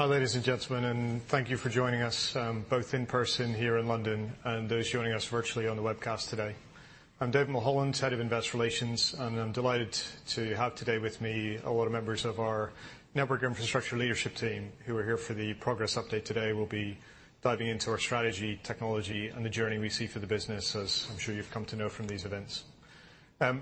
Hi, ladies and gentlemen, and thank you for joining us, both in person here in London and those joining us virtually on the webcast today. I'm David Mulholland, head of Investor Relations, and I'm delighted to have today with me a lot of members of our network infrastructure leadership team, who are here for the progress update today. We'll be diving into our strategy, technology, and the journey we see for the business, as I'm sure you've come to know from these events.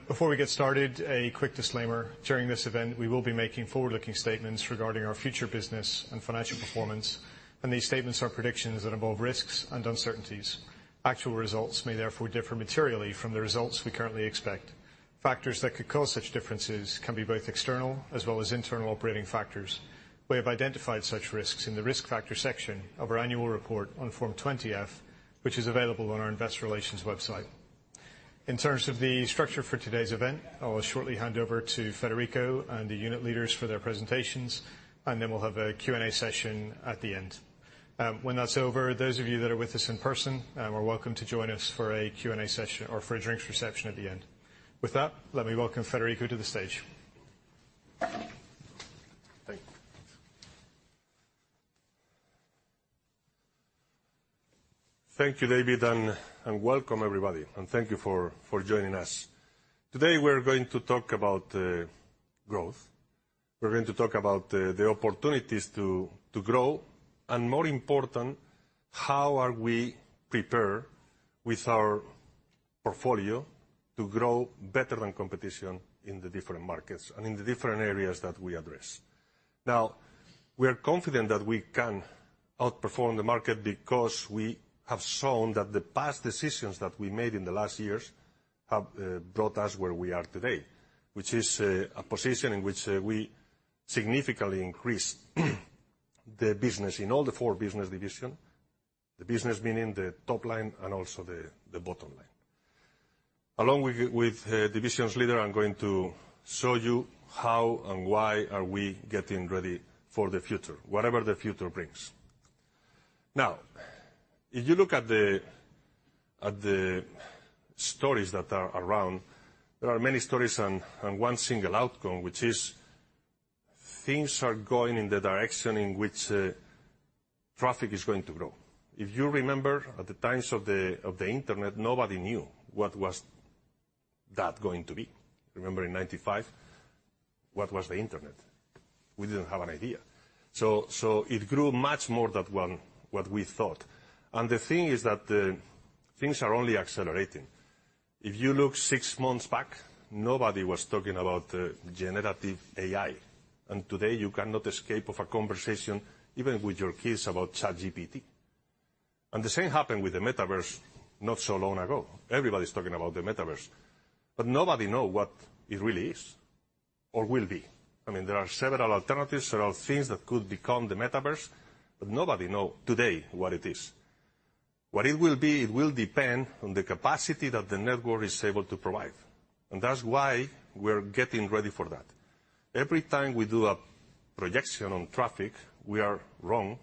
Before we get started, a quick disclaimer: During this event, we will be making forward-looking statements regarding our future business and financial performance, and these statements are predictions that involve risks and uncertainties. Actual results may therefore differ materially from the results we currently expect. Factors that could cause such differences can be both external as well as internal operating factors. We have identified such risks in the Risk Factors section of our annual report on Form 20-F, which is available on our investor relations website. In terms of the structure for today's event, I will shortly hand over to Federico and the unit leaders for their presentations, and then we'll have a Q&A session at the end. When that's over, those of you that are with us in person, are welcome to join us for a Q&A session or for a drinks reception at the end. With that, let me welcome Federico to the stage. Thank you. Thank you, David, and welcome, everybody, and thank you for joining us. Today, we're going to talk about growth. We're going to talk about the opportunities to grow, more important, how are we prepared with our portfolio to grow better than competition in the different markets and in the different areas that we address. We are confident that we can outperform the market, because we have shown that the past decisions that we made in the last years have brought us where we are today, which is a position in which we significantly increased the business in all the four business division. The business meaning the top line and also the bottom line. Along with divisions leader, I'm going to show you how and why are we getting ready for the future, whatever the future brings. If you look at the stories that are around, there are many stories and one single outcome, which is things are going in the direction in which traffic is going to grow. If you remember, at the times of the internet, nobody knew what was that going to be. Remember in 95, what was the internet? We didn't have an idea. It grew much more than what we thought, and the thing is that things are only accelerating. If you look six months back, nobody was talking about generative AI, and today you cannot escape of a conversation, even with your kids, about ChatGPT. The same happened with the metaverse not so long ago. Everybody's talking about the metaverse, but nobody know what it really is or will be. I mean, there are several alternatives, several things that could become the metaverse, nobody know today what it is. What it will be, it will depend on the capacity that the network is able to provide, and that's why we're getting ready for that. Every time we do a projection on traffic, we are wrong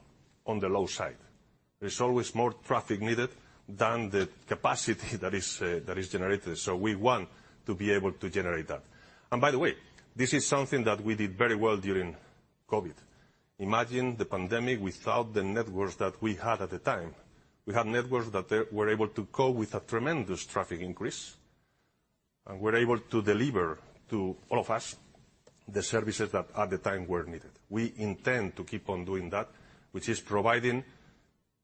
on the low side. There's always more traffic needed than the capacity that is generated, so we want to be able to generate that. By the way, this is something that we did very well during COVID. Imagine the pandemic without the networks that we had at the time. We had networks that they were able to cope with a tremendous traffic increase, and were able to deliver to all of us the services that at the time were needed. We intend to keep on doing that, which is providing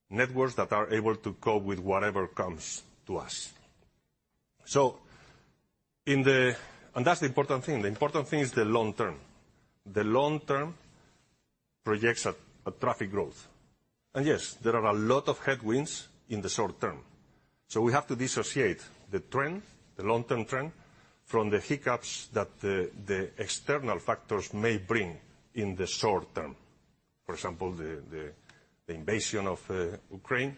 networks that are able to cope with whatever comes to us. That's the important thing. The important thing is the long term. The long-term projects a traffic growth. Yes, there are a lot of headwinds in the short term, so we have to dissociate the trend, the long-term trend, from the hiccups that the external factors may bring in the short term. For example, the invasion of Ukraine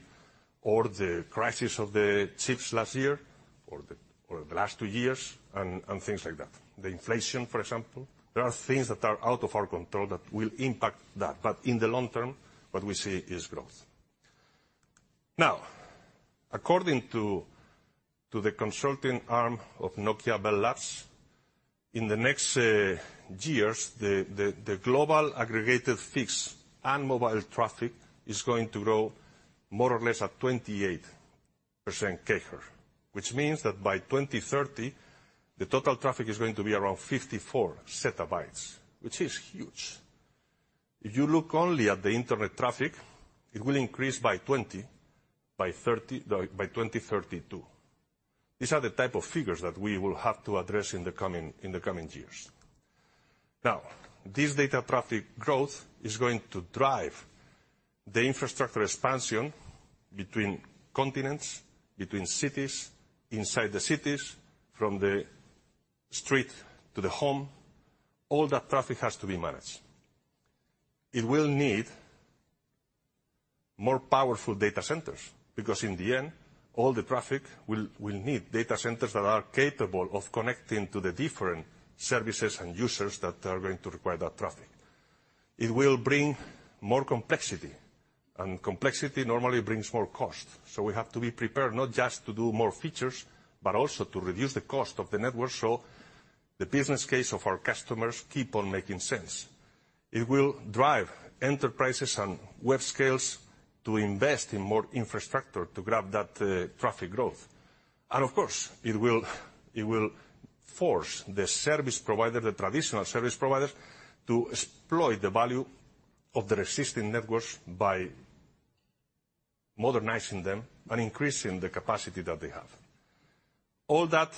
or the crisis of the chips last year or the last two years, and things like that. The inflation, for example. There are things that are out of our control that will impact that. In the long term, what we see is growth. According to the consulting arm of Nokia Bell Labs, in the next years, the global aggregated fixed and mobile traffic is going to grow more or less at 28% CAGR, which means that by 2030, the total traffic is going to be around 54 ZB, which is huge. If you look only at the internet traffic, it will increase by 2032. These are the type of figures that we will have to address in the coming years. This data traffic growth is going to drive the infrastructure expansion between continents, between cities, inside the cities, from the street to the home. All that traffic has to be managed. It will need more powerful data centers, because in the end, all the traffic will need data centers that are capable of connecting to the different services and users that are going to require that traffic. It will bring more complexity. Complexity normally brings more cost. We have to be prepared not just to do more features, but also to reduce the cost of the network so the business case of our customers keep on making sense. It will drive enterprises and web scales to invest in more infrastructure to grab that traffic growth. Of course, it will force the service provider, the traditional service providers, to exploit the value of their existing networks by modernizing them and increasing the capacity that they have. All that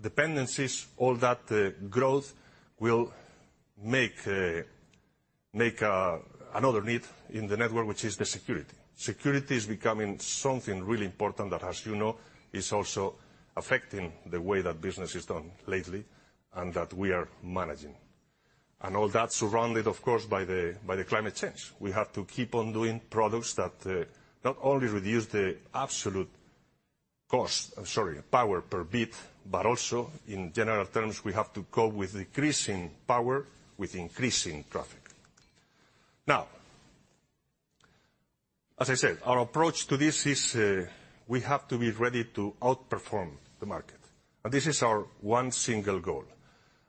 dependencies, all that growth will make another need in the network, which is the security. Security is becoming something really important that, as you know, is also affecting the way that business is done lately and that we are managing. All that surrounded, of course, by the climate change. We have to keep on doing products that not only reduce power per bit, but also in general terms, we have to cope with increasing power, with increasing traffic. As I said, our approach to this is we have to be ready to outperform the market, and this is our one single goal: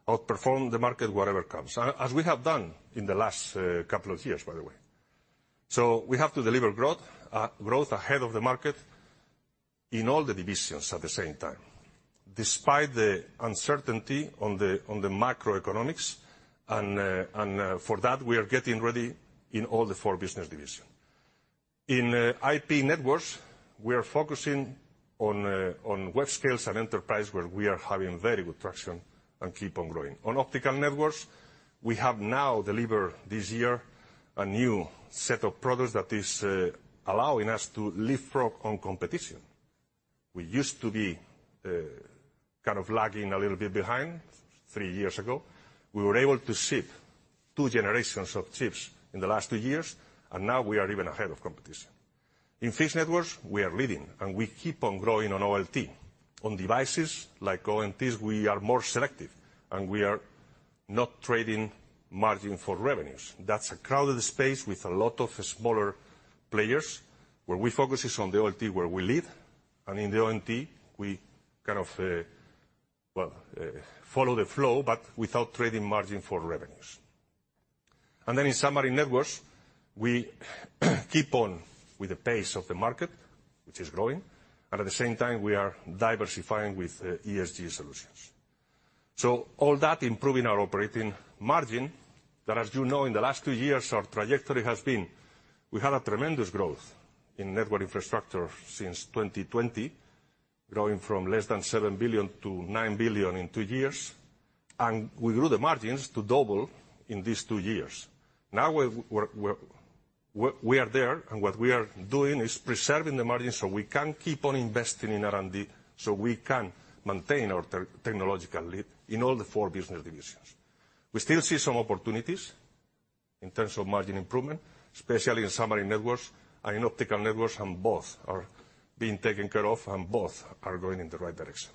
outperform the market, whatever comes. As we have done in the last couple of years, by the way. We have to deliver growth ahead of the market in all the divisions at the same time, despite the uncertainty on the, on the macroeconomics. For that, we are getting ready in all the four business divisions. In IP Networks, we are focusing on web scales and enterprise, where we are having very good traction and keep on growing. On Optical Networks, we have now delivered this year a new set of products that is allowing us to leapfrog on competition. We used to be kind of lagging a little bit behind three years ago. We were able to ship two generations of chips in the last two years, and now we are even ahead of competition. In Fixed Networks, we are leading, and we keep on growing on OLT. On devices like ONT, we are more selective, and we are not trading margin for revenues. That's a crowded space with a lot of smaller players, where we focus is on the OLT, where we lead, and in the ONT, we kind of follow the flow, but without trading margin for revenues. In submarine networks, we keep on with the pace of the market, which is growing, and at the same time, we are diversifying with ESG solutions. All that improving our operating margin, that, as you know, in the last two years, our trajectory has been. We had a tremendous growth in network infrastructure since 2020, growing from less than 7 billion-9 billion in two years, and we grew the margins to double in these two years. We are there, and what we are doing is preserving the margin so we can keep on investing in R&D, so we can maintain our technological lead in all the four business divisions. We still see some opportunities in terms of margin improvement, especially in submarine networks and in optical networks, and both are being taken care of, and both are going in the right direction.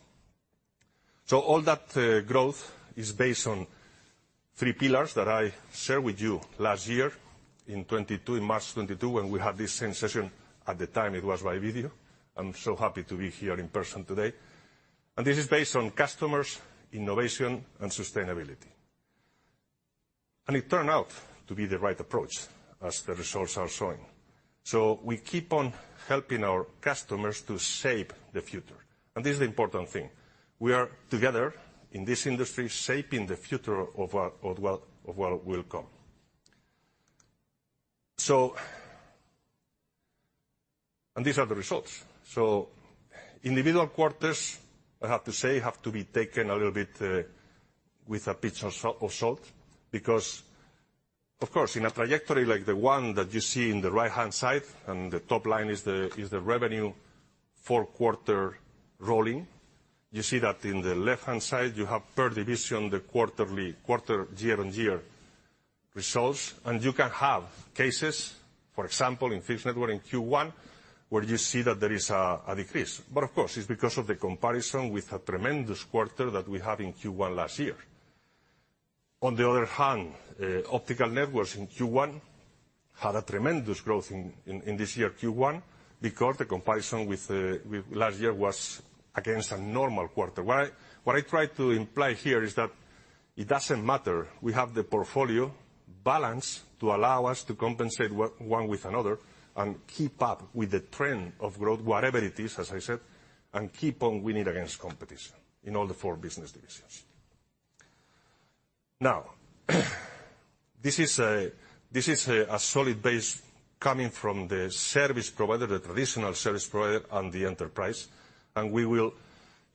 All that growth is based on three pillars that I shared with you last year in 2022, in March 2022, when we had this same session. At the time, it was by video. I'm so happy to be here in person today. This is based on customers, innovation, and sustainability. It turned out to be the right approach, as the results are showing. We keep on helping our customers to shape the future, and this is the important thing. We are together in this industry, shaping the future of our, of what, of what will come. These are the results. Individual quarters, I have to say, have to be taken a little bit with a pinch of salt, because of course, in a trajectory like the one that you see in the right-hand side, and the top line is the revenue for quarter rolling. You see that in the left-hand side, you have per division, the quarterly, quarter year-on-year results. You can have cases, for example, in Fixed Networks in Q1, where you see that there is a decrease. Of course, it's because of the comparison with a tremendous quarter that we have in Q1 last year. On the other hand, optical networks in Q1 had a tremendous growth in this year, Q1, because the comparison with last year was against a normal quarter. What I try to imply here is that it doesn't matter. We have the portfolio balanced to allow us to compensate one with another and keep up with the trend of growth, whatever it is, as I said, and keep on winning against competition in all the four business divisions. This is a solid base coming from the service provider, the traditional service provider and the enterprise, and we will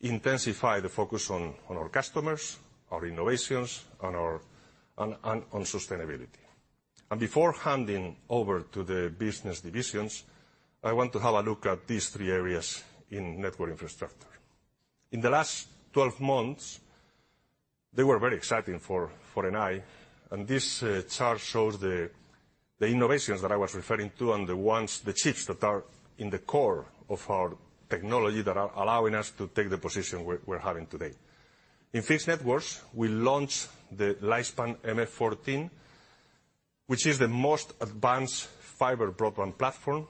intensify the focus on our customers, our innovations, on our sustainability. Before handing over to the business divisions, I want to have a look at these three areas in network infrastructure. In the last 12 months, they were very exciting for NI. This chart shows the innovations that I was referring to and the ones, the chips that are in the core of our technology that are allowing us to take the position we're having today. In Fixed Networks, we launched the Lightspan MF-14, which is the most advanced fiber broadband platform.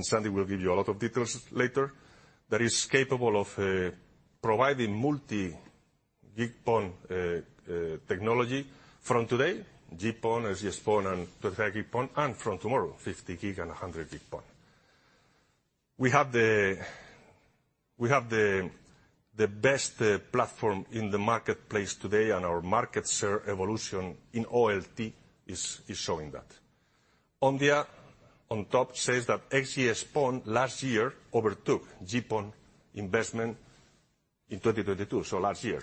Sandy will give you a lot of details later, that is capable of providing multi-gig PON technology from today, GPON, XGS-PON, and 25G PON. From tomorrow, 50G and 100G PON. We have the best platform in the marketplace today. Our market share evolution in OLT is showing that. Omdia on top says that XGS-PON last year overtook GPON investment in 2022, so last year.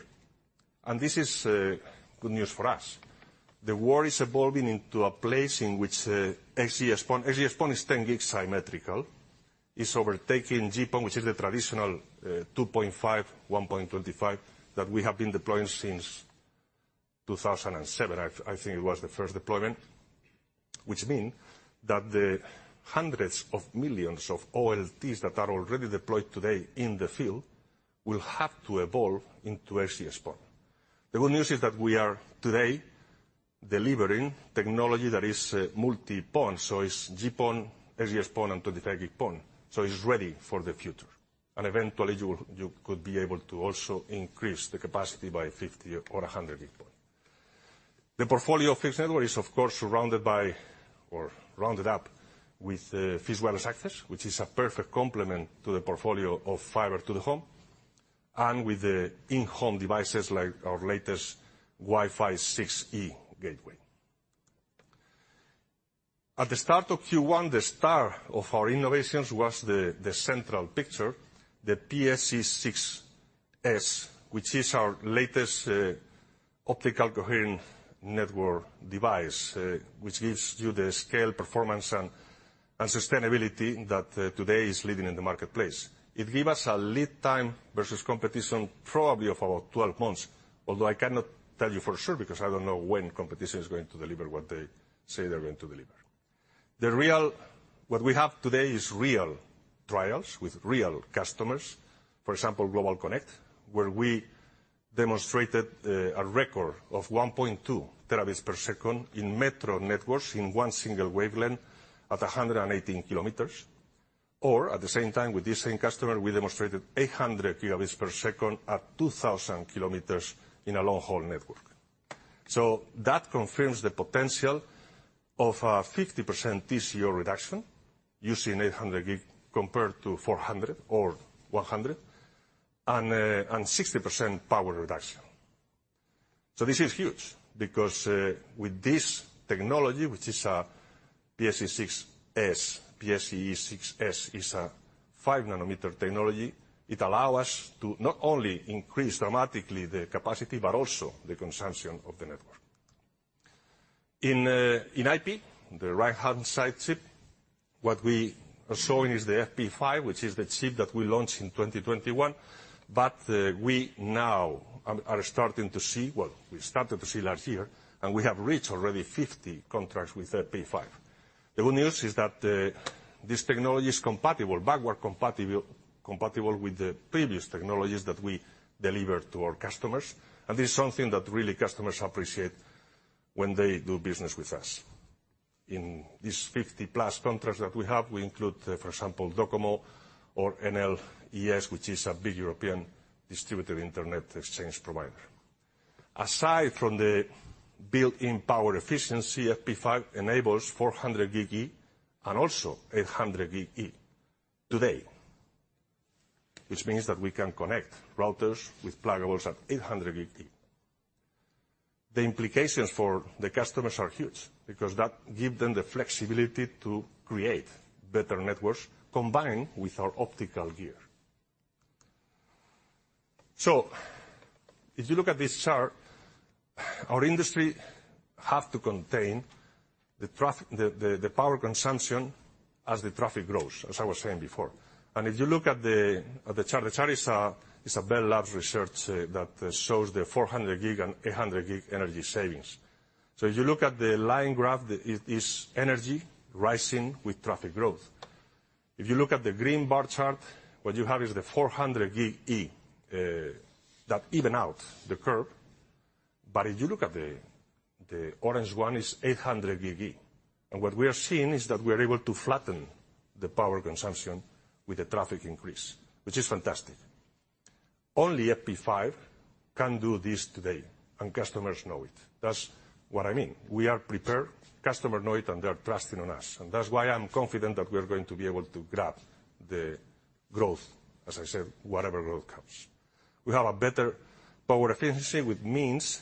This is good news for us. The world is evolving into a place in which XGS-PON - XGS-PON is 10G symmetrical, is overtaking GPON, which is the traditional 2.5, 1.25, that we have been deploying since 2007. I think it was the first deployment. Which mean that the hundreds of millions of OLTs that are already deployed today in the field will have to evolve into XGS-PON. The good news is that we are today delivering technology that is Multi-PON, so it's GPON, XGS-PON, and 25G PON, so it's ready for the future. Eventually you could be able to also increase the capacity by 50G or 100G PON. The portfolio of Fixed Networks is of course, surrounded by or rounded up with fixed wireless access, which is a perfect complement to the portfolio of fiber to the home, and with the in-home devices like our latest Wi-Fi 6E gateway. At the start of Q1, the star of our innovations was the central picture, the PSE-6s, which is our latest optical coherent network device, which gives you the scale, performance, and sustainability that today is leading in the marketplace. It give us a lead time versus competition, probably of about 12 months, although I cannot tell you for sure, because I don't know when competition is going to deliver what they say they're going to deliver. What we have today is real trials with real customers. For example, GlobalConnect, where we demonstrated a record of 1.2 Tb per second in metro networks in one single wavelength at 118 km, or at the same time with this same customer, we demonstrated 800 Tb per second at 2,000 km in a long-haul network. That confirms the potential of a 50% TCO reduction using 800G compared to 400G or 100G, and 60% power reduction. This is huge because with this technology, which is a PSE-6s, is a 5 nm technology, it allow us to not only increase dramatically the capacity, but also the consumption of the network. In IP, the right-hand side chip, what we are showing is the FP5, which is the chip that we launched in 2021. We now are starting to see. We started to see last year, and we have reached already 50 contracts with FP5. The good news is that this technology is compatible, backward compatible with the previous technologies that we delivered to our customers, and this is something that really customers appreciate when they do business with us. In these 50+ contracts that we have, we include, for example, Docomo or NL-ix, which is a big European distributor Internet Exchange provider. Aside from the built-in power efficiency, FP5 enables 400 GbE and also 800 GbE today, which means that we can connect routers with pluggables at 800 GbE. The implications for the customers are huge because that give them the flexibility to create better networks combined with our optical gear. If you look at this chart, our industry have to contain the power consumption as the traffic grows, as I was saying before. If you look at the chart, the chart is a Bell Labs research that shows the 400G and 800G energy savings. If you look at the line graph, it is energy rising with traffic growth. If you look at the green bar chart, what you have is the 400 GbE that even out the curve. If you look at the orange one, is 800 GbE. What we are seeing is that we are able to flatten the power consumption with the traffic increase, which is fantastic. Only FP5 can do this today, and customers know it. That's what I mean. We are prepared, customer know it, they are trusting on us. That's why I'm confident that we are going to be able to grab the growth, as I said, whatever growth comes. We have a better power efficiency, which means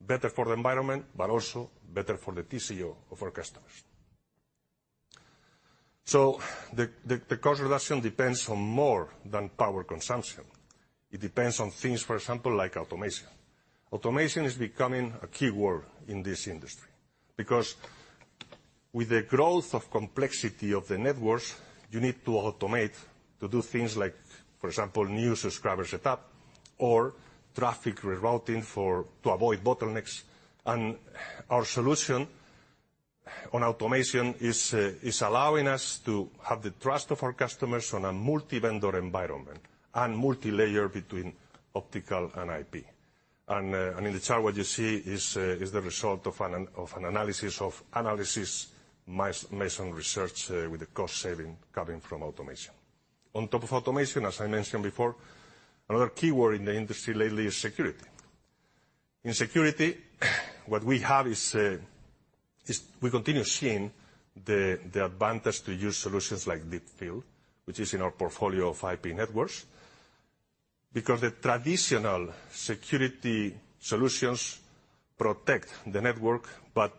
better for the environment, but also better for the TCO of our customers. The cost reduction depends on more than power consumption. It depends on things, for example, like automation. Automation is becoming a key word in this industry, because with the growth of complexity of the networks, you need to automate to do things like, for example, new subscriber setup or traffic rerouting for, to avoid bottlenecks. Our solution on automation is allowing us to have the trust of our customers on a multi-vendor environment and multi-layer between optical and IP. In the chart what you see is the result of an analysis of Analysys Mason research with the cost saving coming from automation. On top of automation, as I mentioned before, another key word in the industry lately is security. In security, what we have is we continue seeing the advantage to use solutions like Deepfield, which is in our portfolio of IP networks. Because the traditional security solutions protect the network, but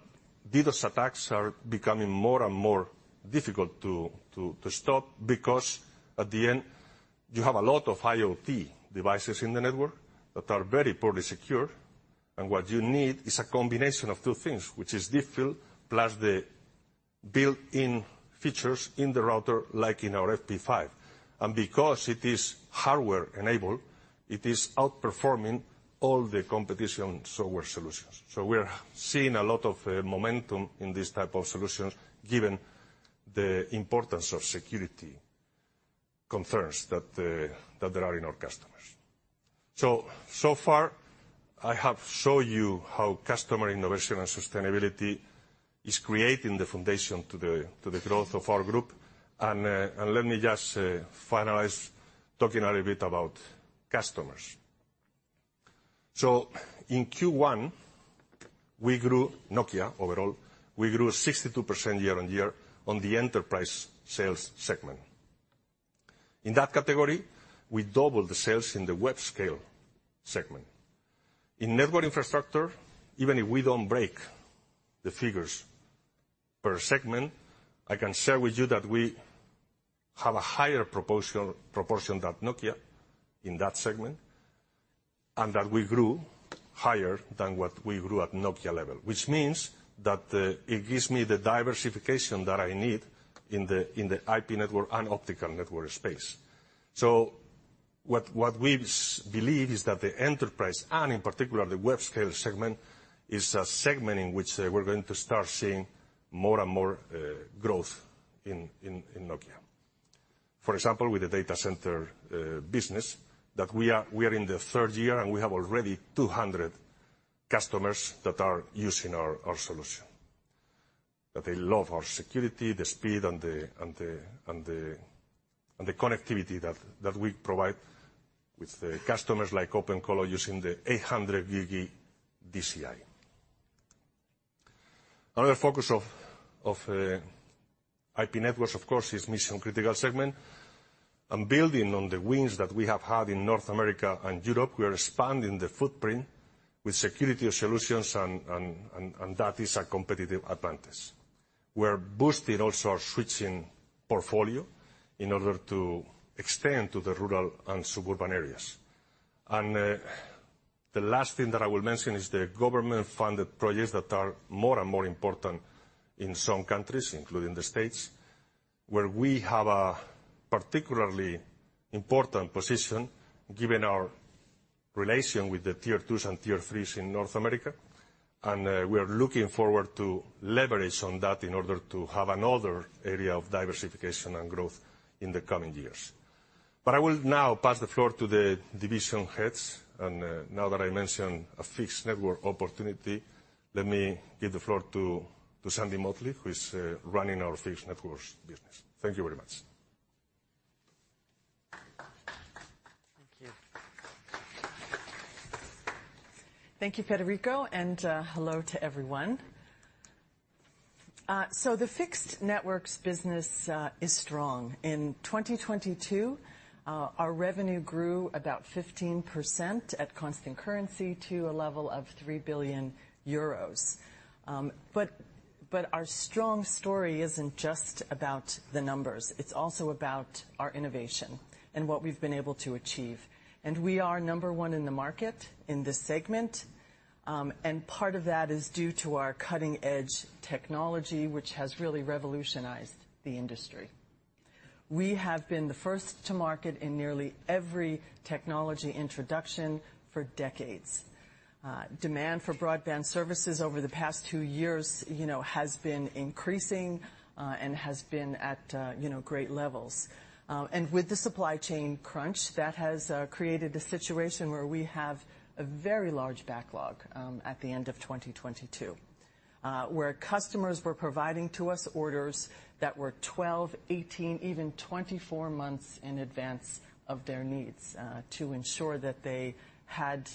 DDoS attacks are becoming more and more difficult to stop because at the end, you have a lot of IoT devices in the network that are very poorly secured. What you need is a combination of two things, which is Deepfield, plus the built-in features in the router, like in our FP5. Because it is hardware-enabled, it is outperforming all the competition software solutions. We're seeing a lot of momentum in this type of solutions, given the importance of security concerns that there are in our customers. So far I have shown you how customer innovation and sustainability is creating the foundation to the growth of our group. And let me just finalize talking a little bit about customers. In Q1, we grew Nokia overall. We grew 62% year-over-year on the enterprise sales segment. In that category, we doubled the sales in the web scale segment. In network infrastructure, even if we don't break the figures per segment, I can share with you that we have a higher proportion than Nokia in that segment, and that we grew higher than what we grew at Nokia level. Which means that it gives me the diversification that I need in the IP network and optical network space. What we believe is that the enterprise, and in particular the web scale segment, is a segment in which we're going to start seeing more and more growth in Nokia. For example, with the data center business, that we are in the third year, and we have already 200 customers that are using our solution. That they love our security, the speed, and the connectivity that we provide with the customers like OpenColo using the 800 GB DCI. Another focus of IP Networks, of course, is mission-critical segment. Building on the wins that we have had in North America and Europe, we are expanding the footprint with security solutions, and that is a competitive advantage. We're boosting also our switching portfolio in order to extend to the rural and suburban areas. The last thing that I will mention is the government-funded projects that are more and more important in some countries, including the States, where we have a particularly important position, given our relation with the Tier 2s and Tier 3s in North America. We are looking forward to leverage on that in order to have another area of diversification and growth in the coming years. I will now pass the floor to the division heads, and now that I mention a Fixed Networks opportunity, let me give the floor to Sandy Motley, who is running our Fixed Networks business. Thank you very much. Thank you. Thank you, Federico. Hello to everyone. The Fixed Networks business is strong. In 2022, our revenue grew about 15% at constant currency to a level of 3 billion euros. Our strong story isn't just about the numbers. It's also about our innovation and what we've been able to achieve. We are number one in the market in this segment, and part of that is due to our cutting-edge technology, which has really revolutionized the industry. We have been the first to market in nearly every technology introduction for decades. Demand for broadband services over the past two years, you know, has been increasing and has been at, you know, great levels. With the supply chain crunch, that has created a situation where we have a very large backlog at the end of 2022. Where customers were providing to us orders that were 12, 18, even 24 months in advance of their needs to ensure that they had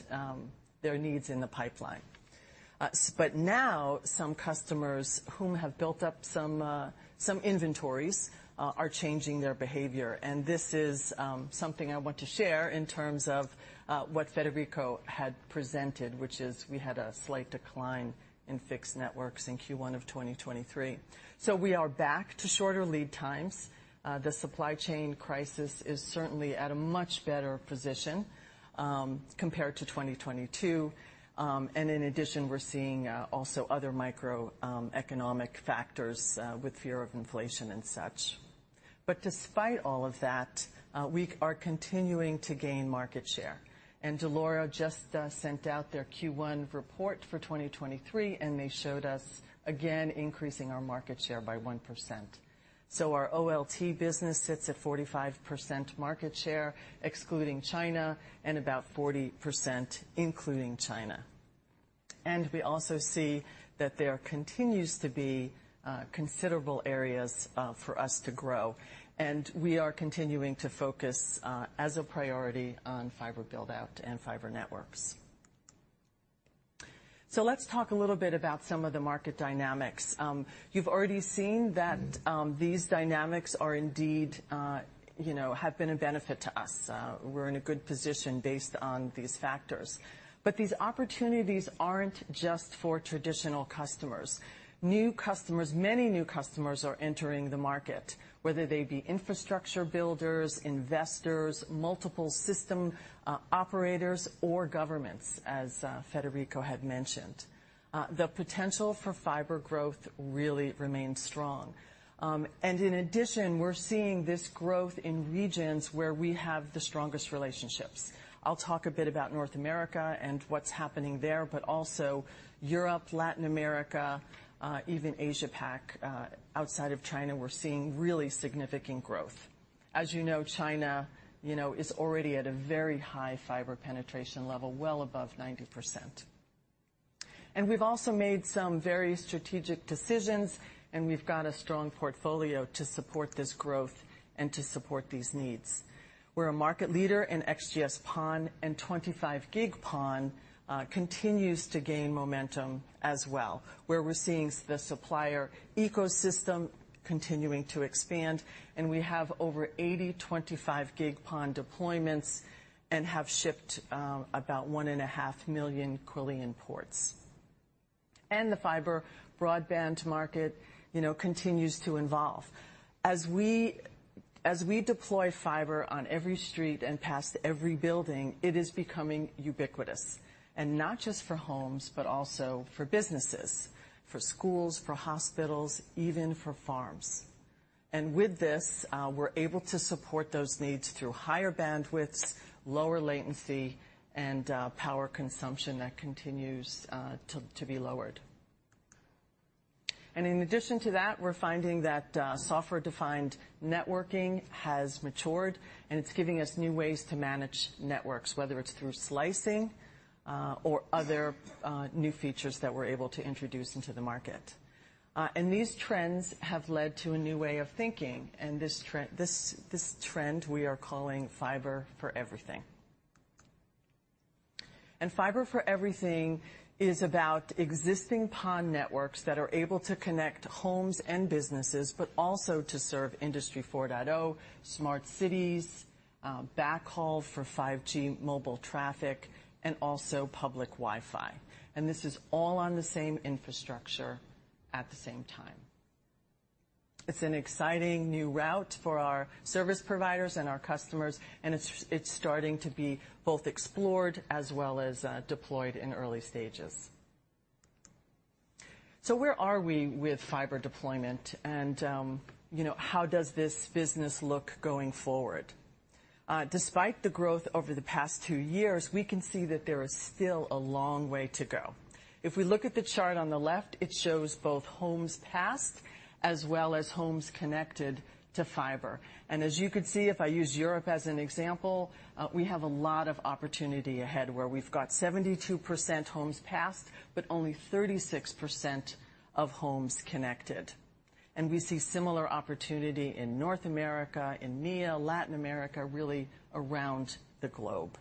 their needs in the pipeline. Now some customers whom have built up some inventories are changing their behavior. This is something I want to share in terms of what Federico had presented, which is we had a slight decline in fixed networks in Q1 of 2023. We are back to shorter lead times. The supply chain crisis is certainly at a much better position compared to 2022. In addition, we're seeing also other micro economic factors with fear of inflation and such. Despite all of that, we are continuing to gain market share. Dell'Oro just sent out their Q1 report for 2023, and they showed us again increasing our market share by 1%. Our OLT business sits at 45% market share, excluding China, and about 40%, including China. We also see that there continues to be considerable areas for us to grow, and we are continuing to focus as a priority on fiber build-out and fiber networks. Let's talk a little bit about some of the market dynamics. You've already seen that these dynamics are indeed, you know, have been a benefit to us. We're in a good position based on these factors. These opportunities aren't just for traditional customers. New customers, many new customers are entering the market, whether they be infrastructure builders, investors, multiple system operators, or governments, as Federico had mentioned. The potential for fiber growth really remains strong. In addition, we're seeing this growth in regions where we have the strongest relationships. I'll talk a bit about North America and what's happening there, but also Europe, Latin America, even Asia Pac. Outside of China, we're seeing really significant growth. As you know, China, you know, is already at a very high fiber penetration level, well above 90%. We've also made some very strategic decisions, and we've got a strong portfolio to support this growth and to support these needs. We're a market leader in XGS-PON. 25G PON continues to gain momentum as well, where we're seeing the supplier ecosystem continuing to expand. We have over 80 25G PON deployments and have shipped about 1.5 million Quillion ports. The fiber broadband market, you know, continues to evolve. As we deploy fiber on every street and past every building, it is becoming ubiquitous, and not just for homes, but also for businesses, for schools, for hospitals, even for farms. With this, we're able to support those needs through higher bandwidths, lower latency, and power consumption that continues to be lowered. In addition to that, we're finding that software-defined networking has matured, and it's giving us new ways to manage networks, whether it's through slicing, or other new features that we're able to introduce into the market. These trends have led to a new way of thinking, this trend we are calling Fiber for Everything. Fiber for Everything is about existing PON networks that are able to connect homes and businesses, but also to serve Industry 4.0, smart cities, backhaul for 5G mobile traffic, and also public Wi-Fi. This is all on the same infrastructure at the same time. It's an exciting new route for our service providers and our customers, and it's starting to be both explored as well as deployed in early stages. Where are we with fiber deployment, you know, how does this business look going forward? Despite the growth over the past two years, we can see that there is still a long way to go. If we look at the chart on the left, it shows both homes passed as well as homes connected to fiber. As you can see, if I use Europe as an example, we have a lot of opportunity ahead, where we've got 72% homes passed, but only 36% of homes connected. We see similar opportunity in North America, in EMEA, Latin America, really around the globe.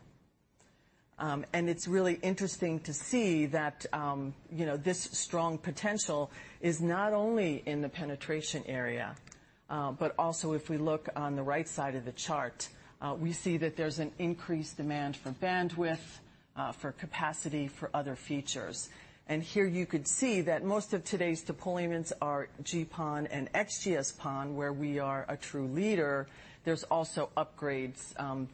It's really interesting to see that, you know, this strong potential is not only in the penetration area, but also if we look on the right side of the chart, we see that there's an increased demand for bandwidth, for capacity, for other features. Here you could see that most of today's deployments are GPON and XGS-PON, where we are a true leader. There's also upgrades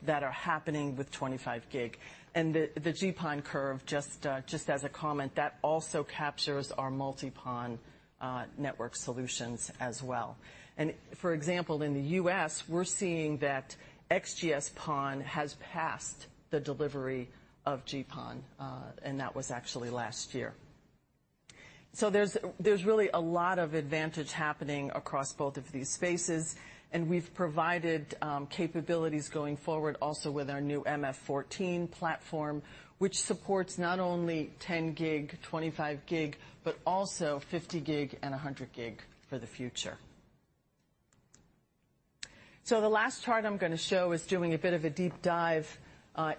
that are happening with 25G. The GPON curve, just as a comment, that also captures our Multi-PON network solutions as well. For example, in the U.S., we're seeing that XGS-PON has passed the delivery of GPON, and that was actually last year. There's really a lot of advantage happening across both of these spaces, and we've provided capabilities going forward also with our new MF-14 platform, which supports not only 10G, 25G, but also 50G and 100G for the future. The last chart I'm going to show is doing a bit of a deep dive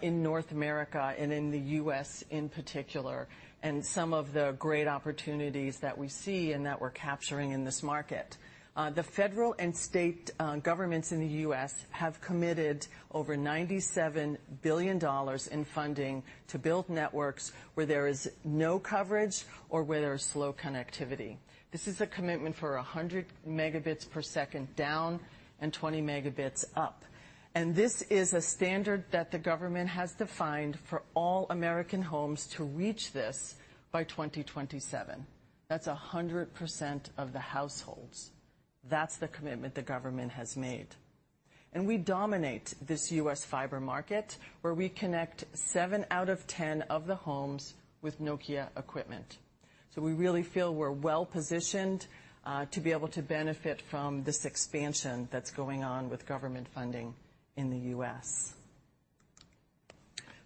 in North America and in the U.S. in particular, and some of the great opportunities that we see and that we're capturing in this market. The federal and state governments in the U.S. have committed over $97 billion in funding to build networks where there is no coverage or where there is slow connectivity. This is a commitment for 100 Mb per second down and 20 Mb up. This is a standard that the government has defined for all American homes to reach this by 2027. That's 100% of the households. That's the commitment the government has made. We dominate this U.S. fiber market, where we connect 7 out of 10 of the homes with Nokia equipment. We really feel we're well-positioned to be able to benefit from this expansion that's going on with government funding in the U.S.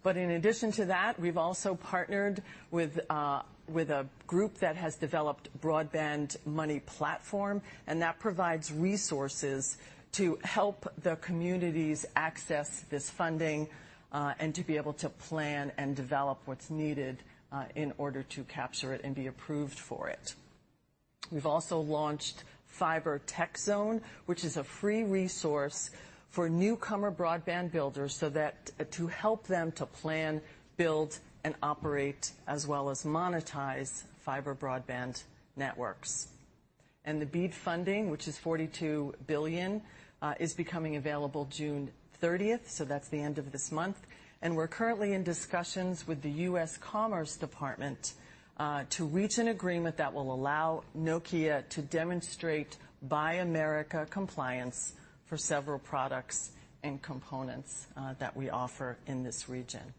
In addition to that, we've also partnered with a group that has developed broadband money platform, and that provides resources to help the communities access this funding and to be able to plan and develop what's needed in order to capture it and be approved for it. We've also launched Fiber Techzone, which is a free resource for newcomer broadband builders, so that to help them to plan, build, and operate, as well as monetize fiber broadband networks. The BEAD funding, which is $42 billion, is becoming available June 30th, so that's the end of this month. We're currently in discussions with the U.S. Commerce Department to reach an agreement that will allow Nokia to demonstrate Buy America compliance for several products and components that we offer in this region.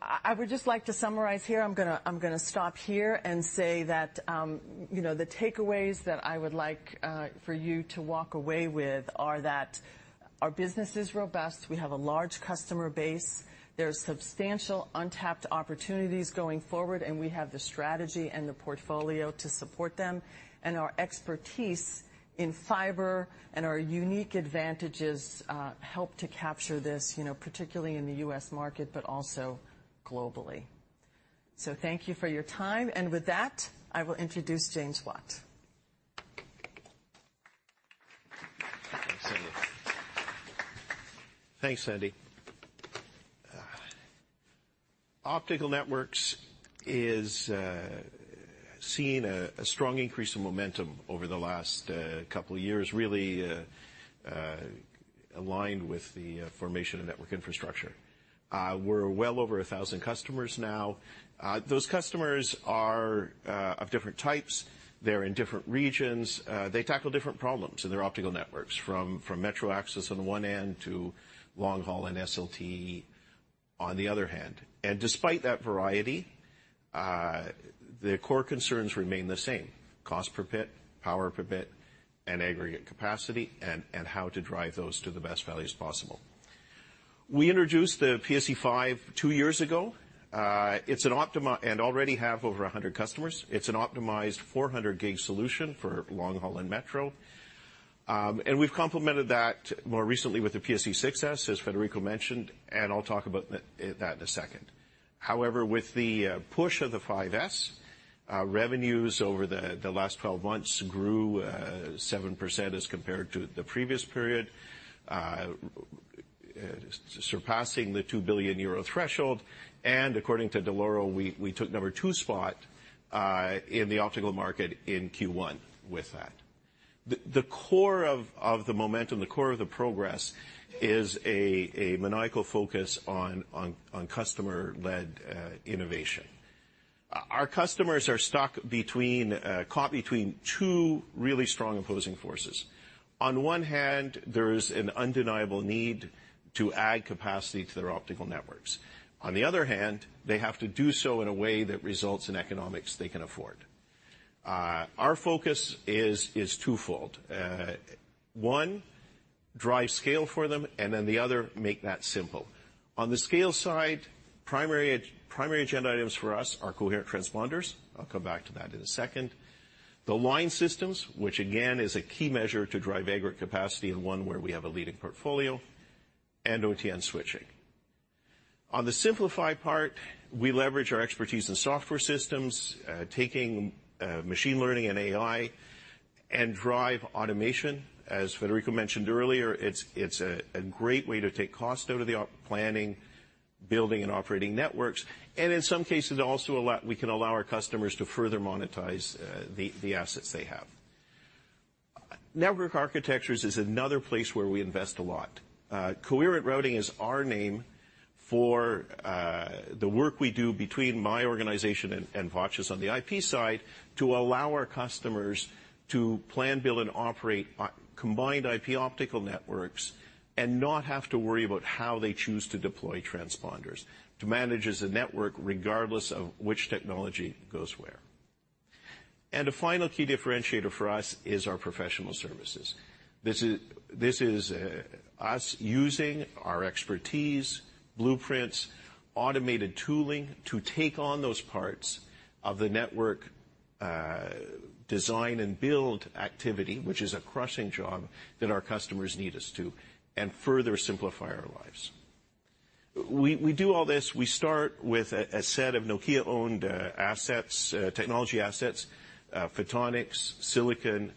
I would just like to summarize here. I'm gonna stop here and say that, you know, the takeaways that I would like for you to walk away with are that our business is robust. We have a large customer base. There's substantial untapped opportunities going forward, we have the strategy and the portfolio to support them. Our expertise in fiber and our unique advantages, help to capture this, you know, particularly in the U.S. market, but also globally. Thank you for your time, and with that, I will introduce James Watt. Thanks, Sandy. Thanks, Sandy. Optical Networks is seeing a strong increase in momentum over the last couple of years, really, aligned with the formation of network infrastructure. We're well over 1,000 customers now. Those customers are of different types. They're in different regions. They tackle different problems in their optical networks, from metro access on the one end to long-haul and SLTE on the other hand. Despite that variety, their core concerns remain the same: cost per bit, power per bit, and aggregate capacity, and how to drive those to the best values possible. We introduced the PSE-V two years ago. It's an optimized 400G solution for long-haul and metro. Already have over 100 customers. We've complemented that more recently with the PSE-6s, as Federico mentioned, and I'll talk about that in a second. However, with the push of the 5S, revenues over the last 12 months grew 7% as compared to the previous period, surpassing the 2 billion euro threshold. According to Dell'Oro, we took number two spot in the optical market in Q1 with that. The core of the momentum, the core of the progress, is a maniacal focus on customer-led innovation. Our customers are stuck between caught between two really strong opposing forces. On one hand, there is an undeniable need to add capacity to their optical networks. On the other hand, they have to do so in a way that results in economics they can afford. Our focus is twofold. One, drive scale for them, the other, make that simple. On the scale side, primary agenda items for us are coherent transponders. I'll come back to that in a second. The line systems, which again, is a key measure to drive aggregate capacity, one where we have a leading portfolio, and OTN switching. On the simplify part, we leverage our expertise in software systems, taking machine learning and AI, and drive automation. As Federico mentioned earlier, it's a great way to take cost out of the planning, building, and operating networks, in some cases, we can allow our customers to further monetize the assets they have. Network architectures is another place where we invest a lot. Coherent Routing is our name for the work we do between my organization and Vach on the IP side, to allow our customers to plan, build, and operate combined IP optical networks and not have to worry about how they choose to deploy transponders. To manage as a network, regardless of which technology goes where. A final key differentiator for us is our professional services. This is us using our expertise, blueprints, automated tooling, to take on those parts of the network design and build activity, which is a crushing job that our customers need us to, and further simplify our lives. We do all this. We start with a set of Nokia-owned assets, technology assets, photonics, silicon,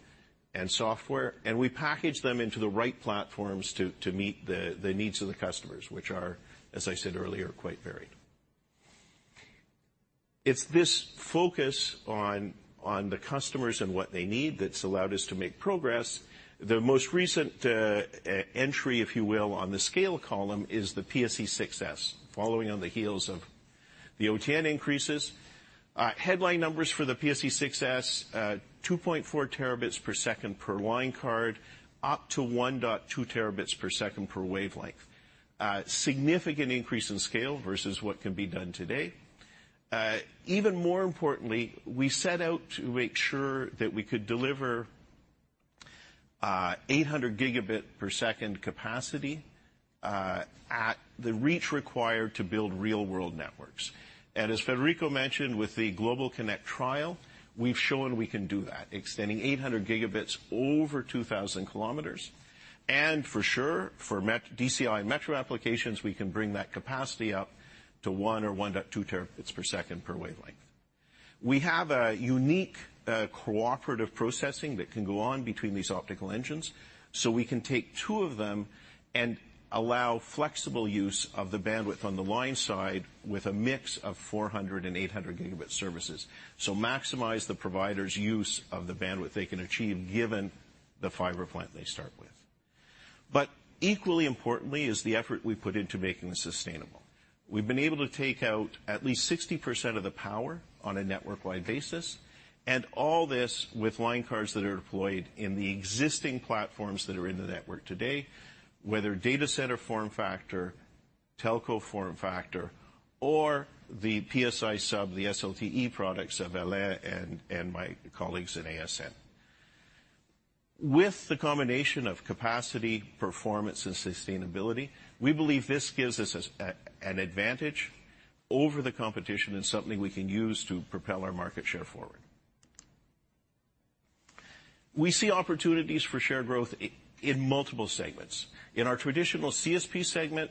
and software, and we package them into the right platforms to meet the needs of the customers, which are, as I said earlier, quite varied. It's this focus on the customers and what they need that's allowed us to make progress. The most recent entry, if you will, on the scale column, is the PSE-6s. The OTN increases. Headline numbers for the PSE-6s, 2.4 Tb per second per line card, up to 1.2 Tb per second per wavelength. Significant increase in scale versus what can be done today. Even more importantly, we set out to make sure that we could deliver 800 Gb per second capacity at the reach required to build real world networks. As Federico mentioned with the GlobalConnect trial, we've shown we can do that, extending 800 Gb over 2,000 km. For sure, for DCI metro applications, we can bring that capacity up to 1 Tb or 1.2 Tb per second per wavelength. We have a unique cooperative processing that can go on between these optical engines, so we can take two of them and allow flexible use of the bandwidth on the line side with a mix of 400 Gb and 800 Gb services. Maximize the provider's use of the bandwidth they can achieve, given the fiber plant they start with. Equally importantly, is the effort we put into making this sustainable. We've been able to take out at least 60% of the power on a network-wide basis, and all this with line cards that are deployed in the existing platforms that are in the network today, whether data center form factor, telco form factor, or the PSI sub, the SLTE products of LA and my colleagues in ASN. With the combination of capacity, performance, and sustainability, we believe this gives us an advantage over the competition and something we can use to propel our market share forward. We see opportunities for shared growth in multiple segments. In our traditional CSP segment,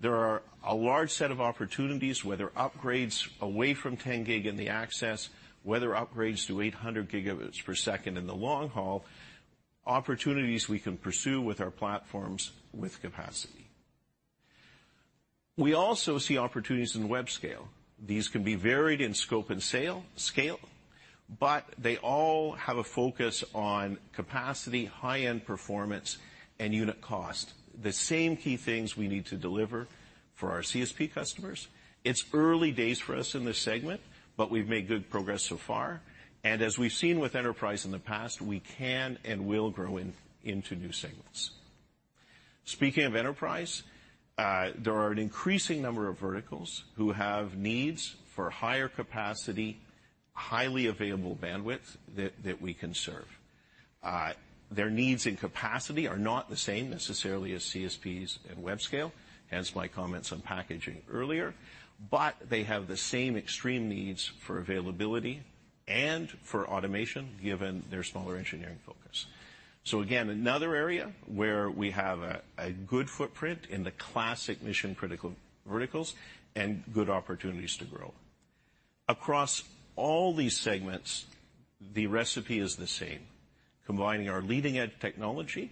there are a large set of opportunities, whether upgrades away from 10G in the access, whether upgrades to 800 Gb per second in the long haul, opportunities we can pursue with our platforms with capacity. We also see opportunities in web scale. These can be varied in scope and scale, they all have a focus on capacity, high-end performance, and unit cost. The same key things we need to deliver for our CSP customers. It's early days for us in this segment, we've made good progress so far, as we've seen with enterprise in the past, we can and will grow into new segments. Speaking of enterprise, there are an increasing number of verticals who have needs for higher capacity, highly available bandwidth that we can serve. Their needs and capacity are not the same necessarily as CSPs and web scale, hence my comments on packaging earlier, but they have the same extreme needs for availability and for automation, given their smaller engineering focus. Again, another area where we have a good footprint in the classic mission-critical verticals and good opportunities to grow. Across all these segments, the recipe is the same, combining our leading-edge technology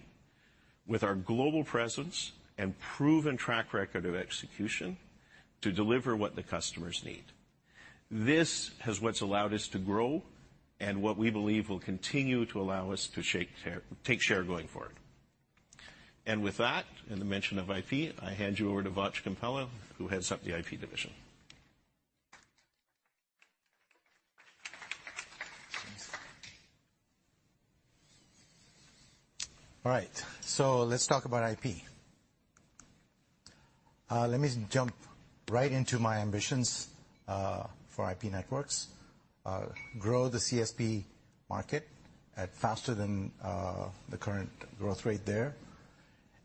with our global presence and proven track record of execution to deliver what the customers need. This is what's allowed us to grow and what we believe will continue to allow us to take share going forward. With that, and the mention of IP, I hand you over to Vach Kompella, who heads up the IP division. All right, let's talk about IP. Let me jump right into my ambitions for IP networks. Grow the CSP market at faster than the current growth rate there.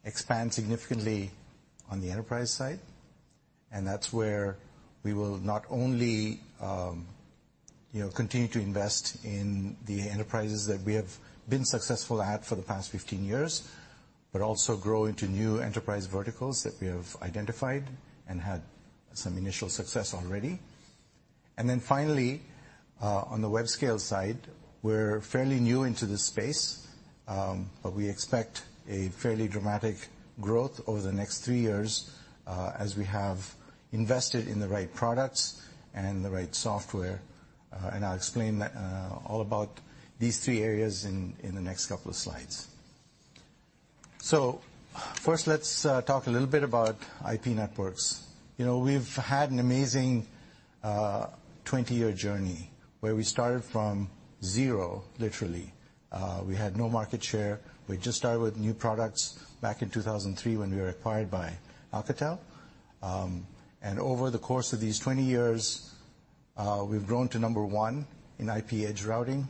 Expand significantly on the enterprise side, and that's where we will not only, you know, continue to invest in the enterprises that we have been successful at for the past 15 years, but also grow into new enterprise verticals that we have identified and had some initial success already. Finally, on the web scale side, we're fairly new into this space, but we expect a fairly dramatic growth over the next three years, as we have invested in the right products and the right software. I'll explain all about these three areas in the next couple of slides. First, let's talk a little bit about IP networks. You know, we've had an amazing 20-year journey, where we started from zero, literally. We had no market share. We just started with new products back in 2003 when we were acquired by Alcatel. Over the course of these 20 years, we've grown to number one in IP edge routing,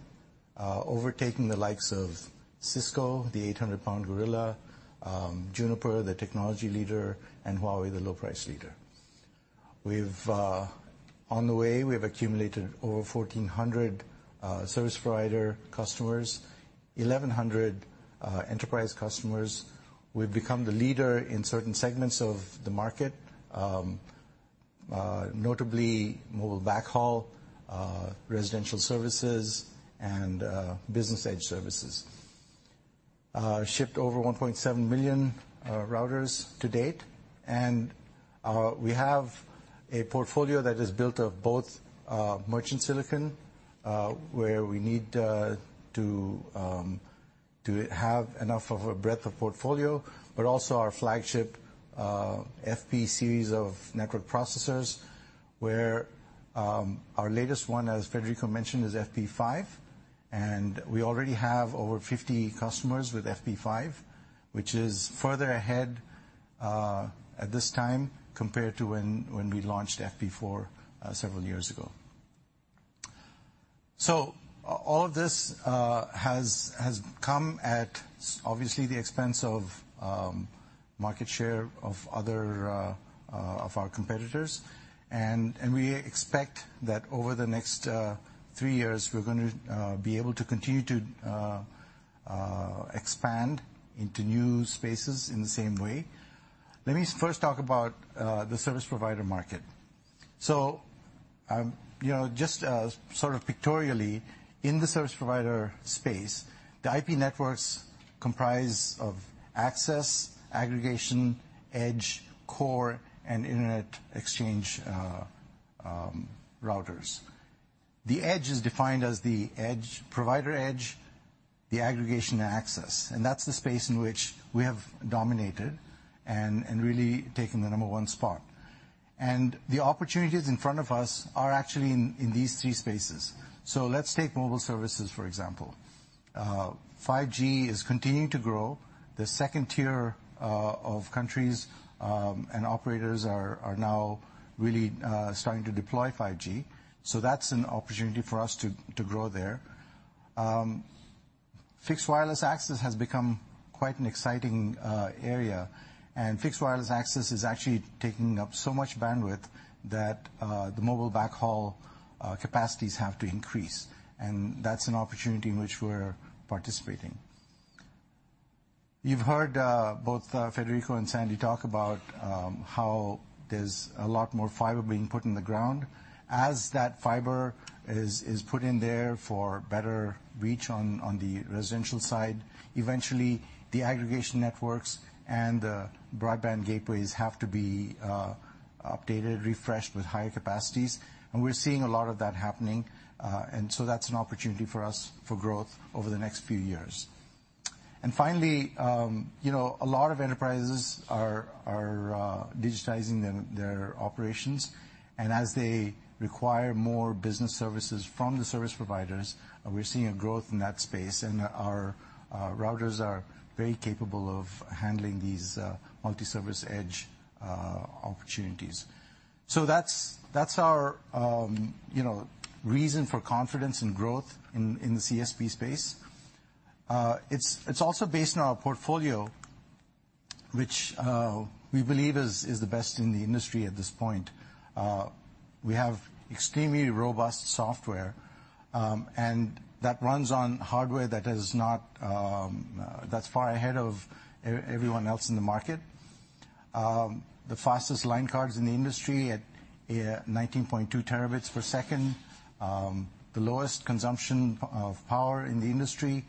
overtaking the likes of Cisco, the 800-pound gorilla, Juniper, the technology leader, and Huawei, the low-price leader. On the way, we have accumulated over 1,400 service provider customers, 1,100 enterprise customers. We've become the leader in certain segments of the market, notably mobile backhaul, residential services, and business edge services. Shipped over 1.7 million routers to date. We have a portfolio that is built of both merchant silicon, where we need to. Our flagship FP series of network processors, where our latest one, as Federico mentioned, is FP5, and we already have over 50 customers with FP5, which is further ahead at this time compared to when we launched FP4 several years ago. All of this has come at obviously the expense of market share of other of our competitors. We expect that over the next three years, we're going to be able to continue to expand into new spaces in the same way. Let me first talk about the service provider market. You know, just sort of pictorially, in the service provider space, the IP networks comprise of access, aggregation, edge, core, and internet exchange routers. The edge is defined as the edge, provider edge, the aggregation and access, and that's the space in which we have dominated and really taken the number one spot. The opportunities in front of us are actually in these three spaces. Let's take mobile services, for example. 5G is continuing to grow. The second tier of countries and operators are now really starting to deploy 5G, so that's an opportunity for us to grow there. Fixed wireless access has become quite an exciting area, fixed wireless access is actually taking up so much bandwidth that the mobile backhaul capacities have to increase, that's an opportunity in which we're participating. You've heard both Federico and Sandy talk about how there's a lot more fiber being put in the ground. As that fiber is put in there for better reach on the residential side, eventually the aggregation networks and the broadband gateways have to be updated, refreshed with higher capacities, we're seeing a lot of that happening. That's an opportunity for us for growth over the next few years. Finally, you know, a lot of enterprises are digitizing their operations, and as they require more business services from the service providers, we're seeing a growth in that space, and our routers are very capable of handling these multi-service edge opportunities. That's our you know, reason for confidence and growth in the CSP space. It's also based on our portfolio, which we believe is the best in the industry at this point. We have extremely robust software, and that runs on hardware that is not that's far ahead of everyone else in the market. The fastest line cards in the industry at 19.2 Tb per second, the lowest consumption of power in the industry,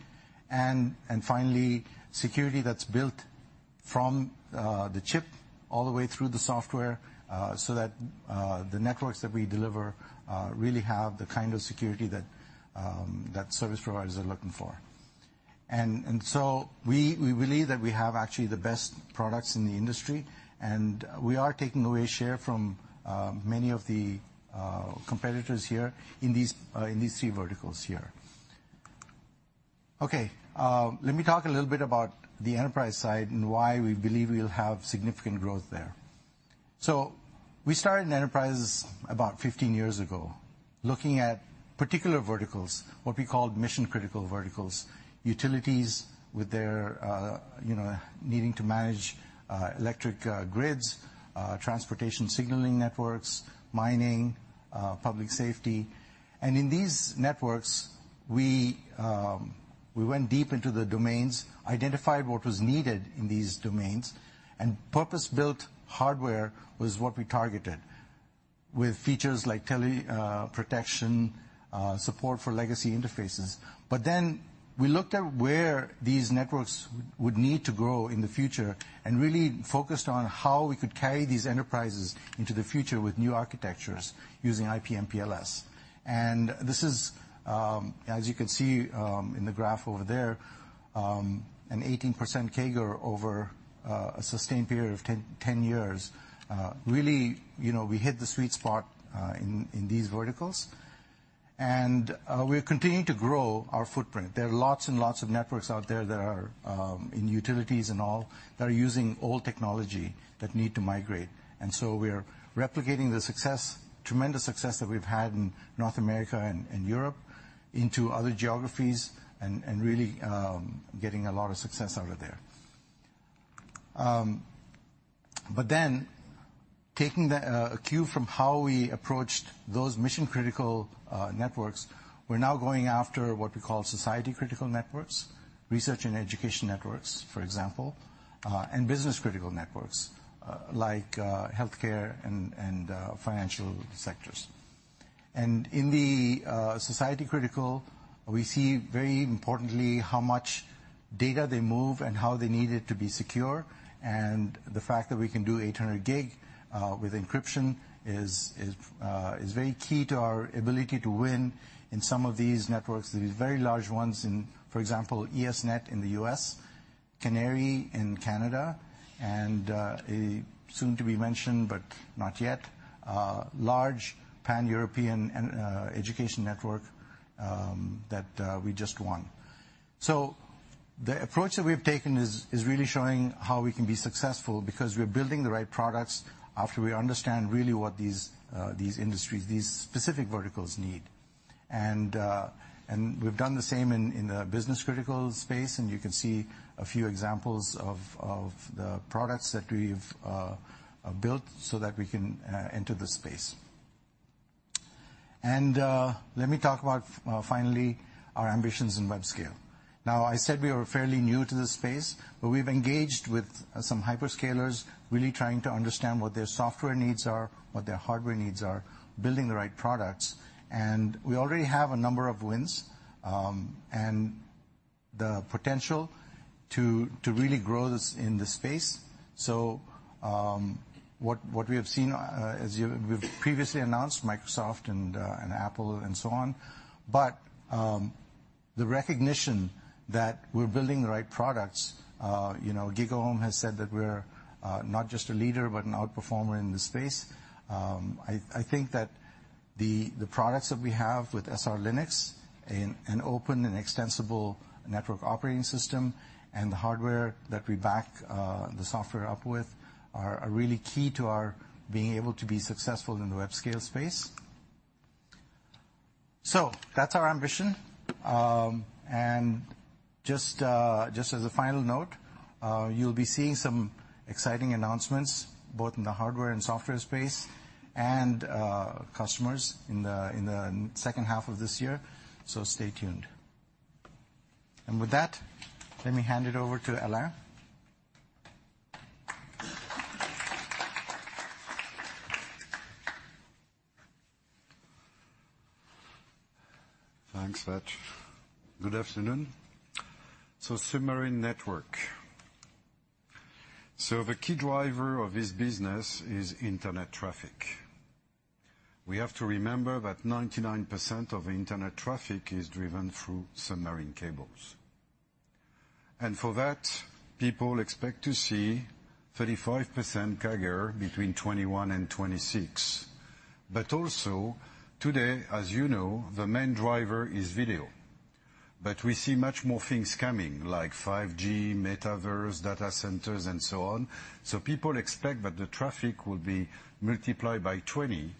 and finally, security that's built from the chip all the way through the software, so that the networks that we deliver really have the kind of security that service providers are looking for. We believe that we have actually the best products in the industry, and we are taking away share from many of the competitors here in these three verticals here. Let me talk a little bit about the enterprise side and why we believe we'll have significant growth there. We started in enterprises about 15 years ago, looking at particular verticals, what we called mission-critical verticals, utilities with their, you know, needing to manage, electric grids, transportation signaling networks, mining, public safety. In these networks, we went deep into the domains, identified what was needed in these domains, and purpose-built hardware was what we targeted, with features like tele protection, support for legacy interfaces. Then we looked at where these networks would need to grow in the future and really focused on how we could carry these enterprises into the future with new architectures using IP/MPLS. This is, as you can see, in the graph over there, an 18% CAGR over a sustained period of 10 years. Really, you know, we hit the sweet spot in these verticals, and we're continuing to grow our footprint. There are lots and lots of networks out there that are in utilities and all, that are using old technology that need to migrate. We are replicating the success, tremendous success that we've had in North America and Europe into other geographies and really getting a lot of success out of there. Taking the a cue from how we approached those mission-critical networks, we're now going after what we call society-critical networks, research and education networks, for example, and business-critical networks, like healthcare and financial sectors. In the society-critical, we see very importantly how much data they move and how they need it to be secure, and the fact that we can do 800G with encryption is very key to our ability to win in some of these networks, these very large ones in, for example, ESnet in the U.S. CANARIE in Canada, and a soon to be mentioned, but not yet, large Pan-European and education network that we just won. The approach that we have taken is really showing how we can be successful, because we're building the right products after we understand really what these industries, these specific verticals need. We've done the same in the business critical space, and you can see a few examples of the products that we've built so that we can enter the space. Let me talk about finally, our ambitions in web scale. Now, I said we are fairly new to this space, but we've engaged with some hyperscalers, really trying to understand what their software needs are, what their hardware needs are, building the right products. We already have a number of wins, and the potential to really grow this in this space. What we have seen, we've previously announced Microsoft and Apple, and so on. The recognition that we're building the right products, you know, GigaOm has said that we're not just a leader, but an outperformer in this space. I think that the products that we have with SR Linux in an open and extensible network operating system, and the hardware that we back the software up with, are really key to our being able to be successful in the web scale space. That's our ambition. Just as a final note, you'll be seeing some exciting announcements, both in the hardware and software space, and customers in the second half of this year. Stay tuned. With that, let me hand it over to Alain. Thanks, Vach. Good afternoon. Submarine network. The key driver of this business is internet traffic. We have to remember that 99% of internet traffic is driven through submarine cables. For that, people expect to see 35% CAGR between 2021 and 2026. Also, today, as you know, the main driver is video, but we see much more things coming, like 5G, metaverse, data centers, and so on. People expect that the traffic will be multiplied by 20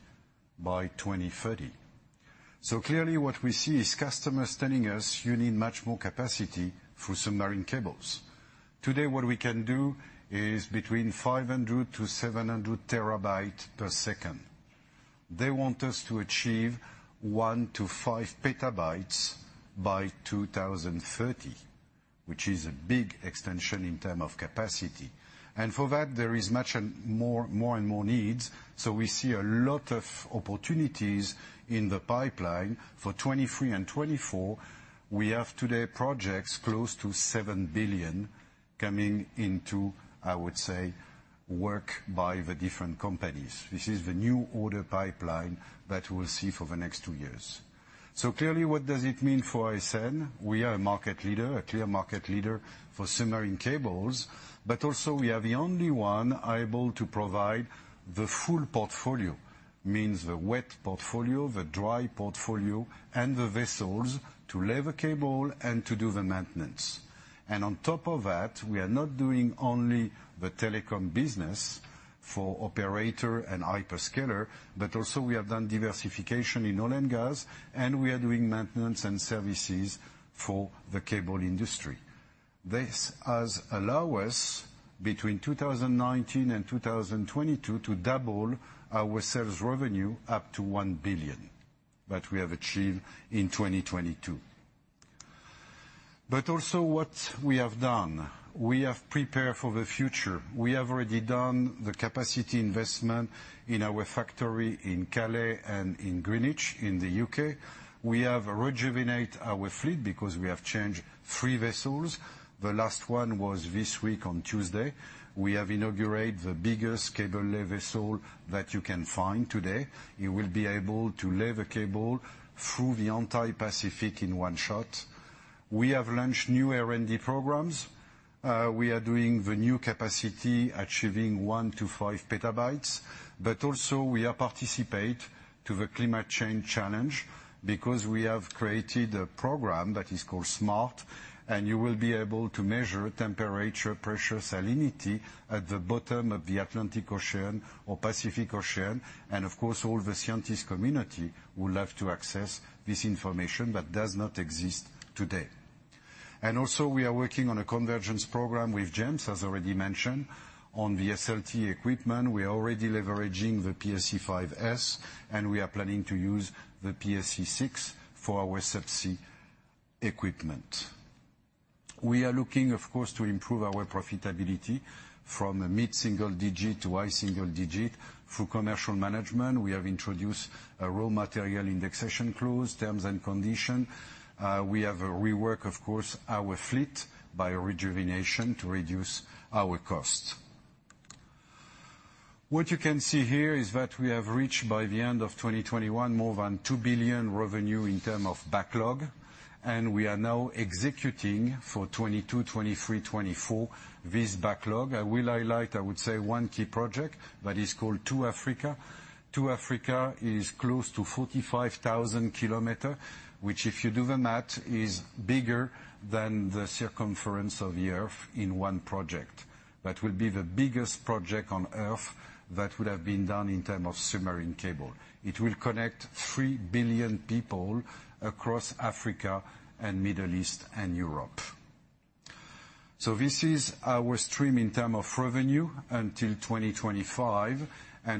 by 2030. Clearly, what we see is customers telling us, "You need much more capacity for submarine cables." Today, what we can do i -s between 500 Tb-700 Tb per second. They want us to achieve 1 PB-5 PB by 2030, which is a big extension in term of capacity. For that, there is much, and more needs. We see a lot of opportunities in the pipeline. For 2023 and 2024, we have today projects close to 7 billion coming into, I would say, work by the different companies. This is the new order pipeline that we'll see for the next two years. Clearly, what does it mean for ICN? We are a clear market leader for submarine cables. Also, we are the only one able to provide the full portfolio. Means the wet portfolio, the dry portfolio, and the vessels to lay the cable and to do the maintenance. On top of that, we are not doing only the telecom business for operator and hyperscaler. Also, we have done diversification in oil and gas. We are doing maintenance and services for the cable industry. This has allow us, between 2019 and 2022, to double our sales revenue up to 1 billion, that we have achieved in 2022. What we have done, we have prepared for the future. We have already done the capacity investment in our factory in Calais and in Greenwich, in the U.K. We have rejuvenate our fleet, because we have changed three vessels. The last one was this week on Tuesday. We have inaugurate the biggest cable-lay vessel that you can find today. You will be able to lay the cable through the entire Pacific in one shot. We have launched new R&D programs. We are doing the new capacity, achieving 1 PB-5 PB, but also we are participate to the climate change challenge, because we have created a program that is called Smart, and you will be able to measure temperature, pressure, salinity at the bottom of the Atlantic Ocean or Pacific Ocean. Of course, all the scientist community will have to access this information, but does not exist today. Also, we are working on a convergence program with James, as already mentioned. On the SLTE equipment, we are already leveraging the PSE-Vs, and we are planning to use the PSE-6 for our subsea equipment. We are looking, of course, to improve our profitability from a mid-single digit to high single digit. Through commercial management, we have introduced a raw material indexation clause, terms and condition. We have rework, of course, our fleet by rejuvenation to reduce our costs. What you can see here is that we have reached, by the end of 2021, more than 2 billion revenue in term of backlog, we are now executing for 2022, 2023, 2024, this backlog. I will highlight, I would say, one key project that is called 2Africa. 2Africa is close to 45,000 km, which if you do the math, is bigger than the circumference of the Earth in one project. That will be the biggest project on Earth that would have been done in term of submarine cable. It will connect 3 billion people across Africa and Middle East and Europe. This is our stream in term of revenue until 2025.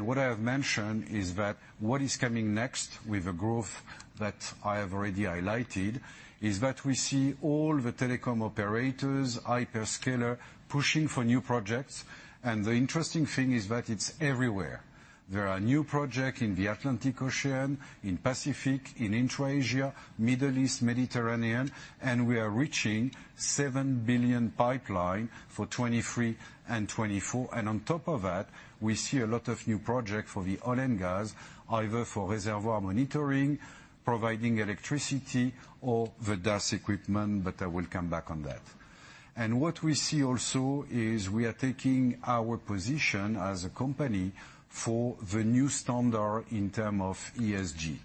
What I have mentioned is that what is coming next with the growth that I have already highlighted, is that we see all the telecom operators, hyperscaler, pushing for new projects. The interesting thing is that it's everywhere. There are new project in the Atlantic Ocean, in Pacific, in intra-Asia, Middle East, Mediterranean, and we are reaching 7 billion pipeline for 2023 and 2024. On top of that, we see a lot of new projects for the oil and gas, either for reservoir monitoring, providing electricity, or the DAS equipment. I will come back on that. What we see also is we are taking our position as a company for the new standard in term of ESG.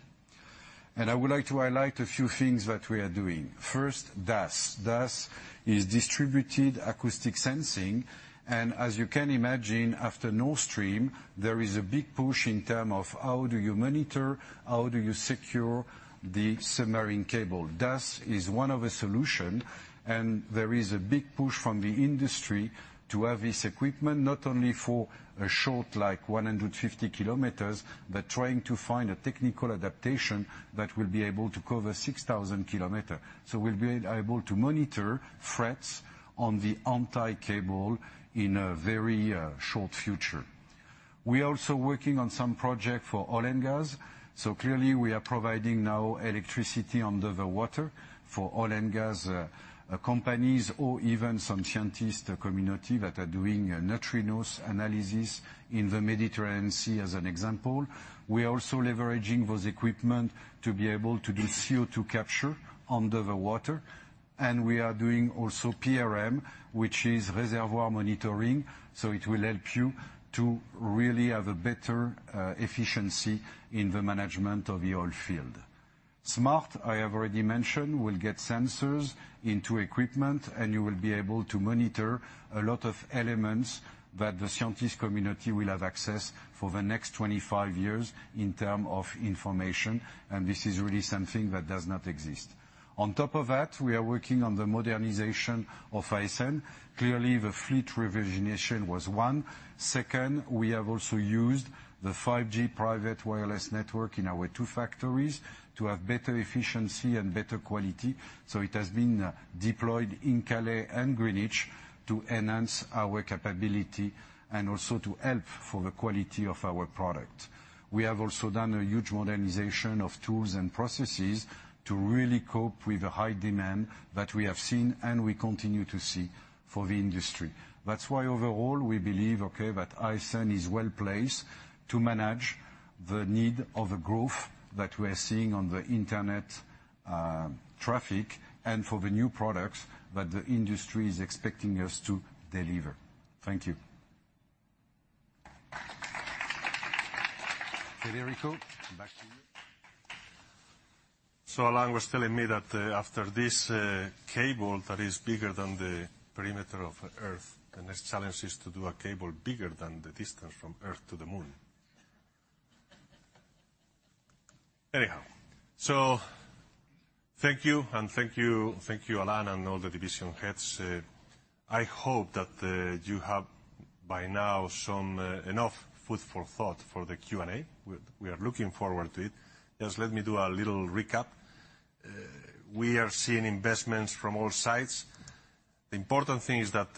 I would like to highlight a few things that we are doing. First, DAS. DAS is distributed acoustic sensing. As you can imagine, after Nord Stream, there is a big push in term of how do you monitor, how do you secure the submarine cable? DAS is one of the solution. There is a big push from the industry to have this equipment, not only for a short, like 150 km, but trying to find a technical adaptation that will be able to cover 6,000 km. We'll be able to monitor threats on the anti-cable in a very short future. We are also working on some project for oil and gas. Clearly, we are providing now electricity under the water for oil and gas companies or even some scientist community that are doing a neutrino analysis in the Mediterranean Sea, as an example. We are also leveraging those equipment to be able to do CO2 capture under the water, and we are doing also PRM, which is reservoir monitoring. It will help you to really have a better efficiency in the management of the oil field. Smart, I have already mentioned, will get sensors into equipment, and you will be able to monitor a lot of elements that the scientist community will have access for the next 25 years in term of information. This is really something that does not exist. On top of that, we are working on the modernization of ASN. Clearly, the fleet rejuvenation was one. Second, we have also used the 5G private wireless network in our two factories to have better efficiency and better quality. It has been deployed in Calais and Greenwich to enhance our capability and also to help for the quality of our product. We have also done a huge modernization of tools and processes to really cope with the high demand that we have seen and we continue to see for the industry. Overall, we believe that ASN is well placed to manage the need of the growth that we're seeing on the internet traffic, and for the new products that the industry is expecting us to deliver. Thank you. Federico, back to you. Alain was telling me that, after this cable that is bigger than the perimeter of Earth, the next challenge is to do a cable bigger than the distance from Earth to the Moon. Thank you, and thank you, Alain, and all the division heads. I hope that you have by now some enough food for thought for the Q&A. We are looking forward to it. Just let me do a little recap. We are seeing investments from all sides. The important thing is that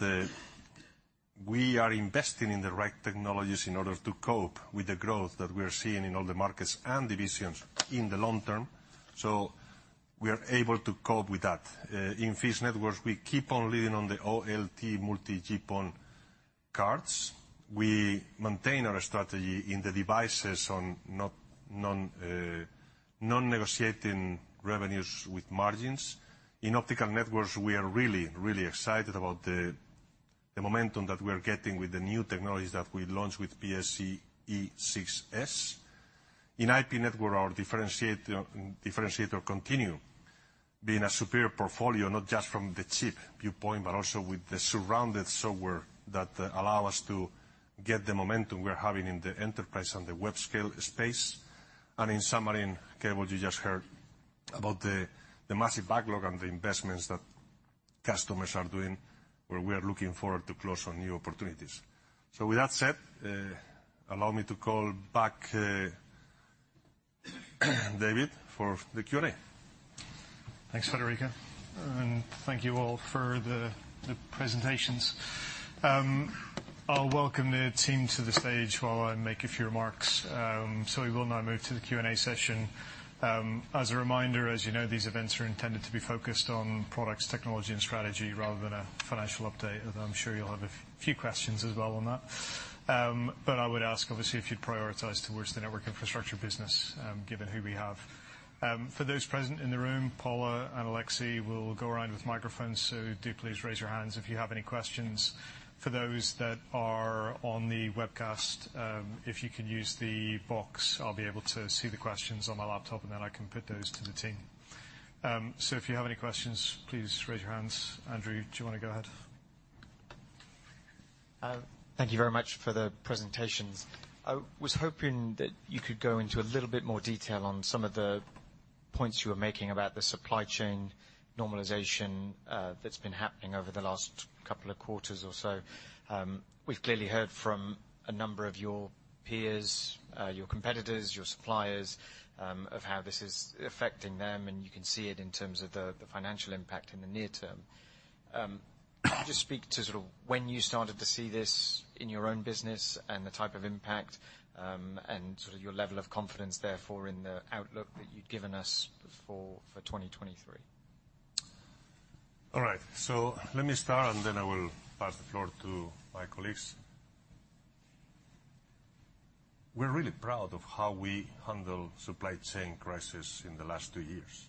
we are investing in the right technologies in order to cope with the growth that we are seeing in all the markets and divisions in the long term. We are able to cope with that. In Fixed Networks, we keep on leading on the OLT multi-GPON cards. We maintain our strategy in the devices on not non-negotiating revenues with margins. In optical networks, we are really, really excited about the momentum that we are getting with the new technologies that we launched with PSE-6s. In IP network, our differentiator continue being a superior portfolio, not just from the chip viewpoint, but also with the surrounded software that allow us to get the momentum we are having in the enterprise and the web scale space. And in submarine cable, you just heard about the massive backlog and the investments that customers are doing, where we are looking forward to close on new opportunities. With that said, allow me to call back David for the Q&A. Thanks, Federico, and thank you all for the presentations. I'll welcome the team to the stage while I make a few remarks. We will now move to the Q&A session. As a reminder, as you know, these events are intended to be focused on products, technology, and strategy rather than a financial update, although I'm sure you'll have a few questions as well on that. I would ask, obviously, if you'd prioritize towards the network infrastructure business, given who we have. For those present in the room, Paula and Alexi will go around with microphones, so do please raise your hands if you have any questions. For those that are on the webcast, if you can use the box, I'll be able to see the questions on my laptop, and then I can put those to the team. If you have any questions, please raise your hands. Andrew, do you want to go ahead? Thank you very much for the presentations. I was hoping that you could go into a little bit more detail on some of the points you were making about the supply chain normalization that's been happening over the last couple of quarters or so. We've clearly heard from a number of your peers, your competitors, your suppliers, of how this is affecting them, and you can see it in terms of the financial impact in the near term. Just speak to sort of when you started to see this in your own business, and the type of impact, and sort of your level of confidence, therefore, in the outlook that you'd given us before for 2023. All right, let me start, and then I will pass the floor to my colleagues. We're really proud of how we handle supply chain crisis in the last two years.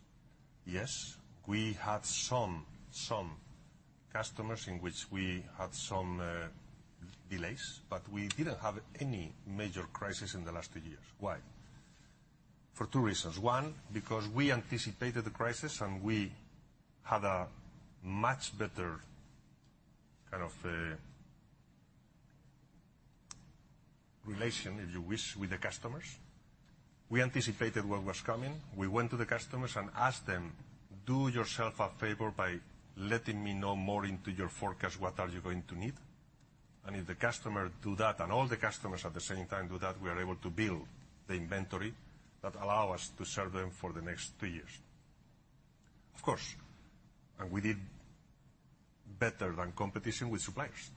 Yes, we had some customers in which we had some delays, but we didn't have any major crisis in the last two years. Why? For two reasons. One, because we anticipated the crisis, and we had a much better kind of relation, if you wish, with the customers. We anticipated what was coming. We went to the customers and asked them, "Do yourself a favor by letting me know more into your forecast, what are you going to need?" If the customer do that, and all the customers at the same time do that, we are able to build the inventory that allow us to serve them for the next two years. Of course, we did better than competition with suppliers.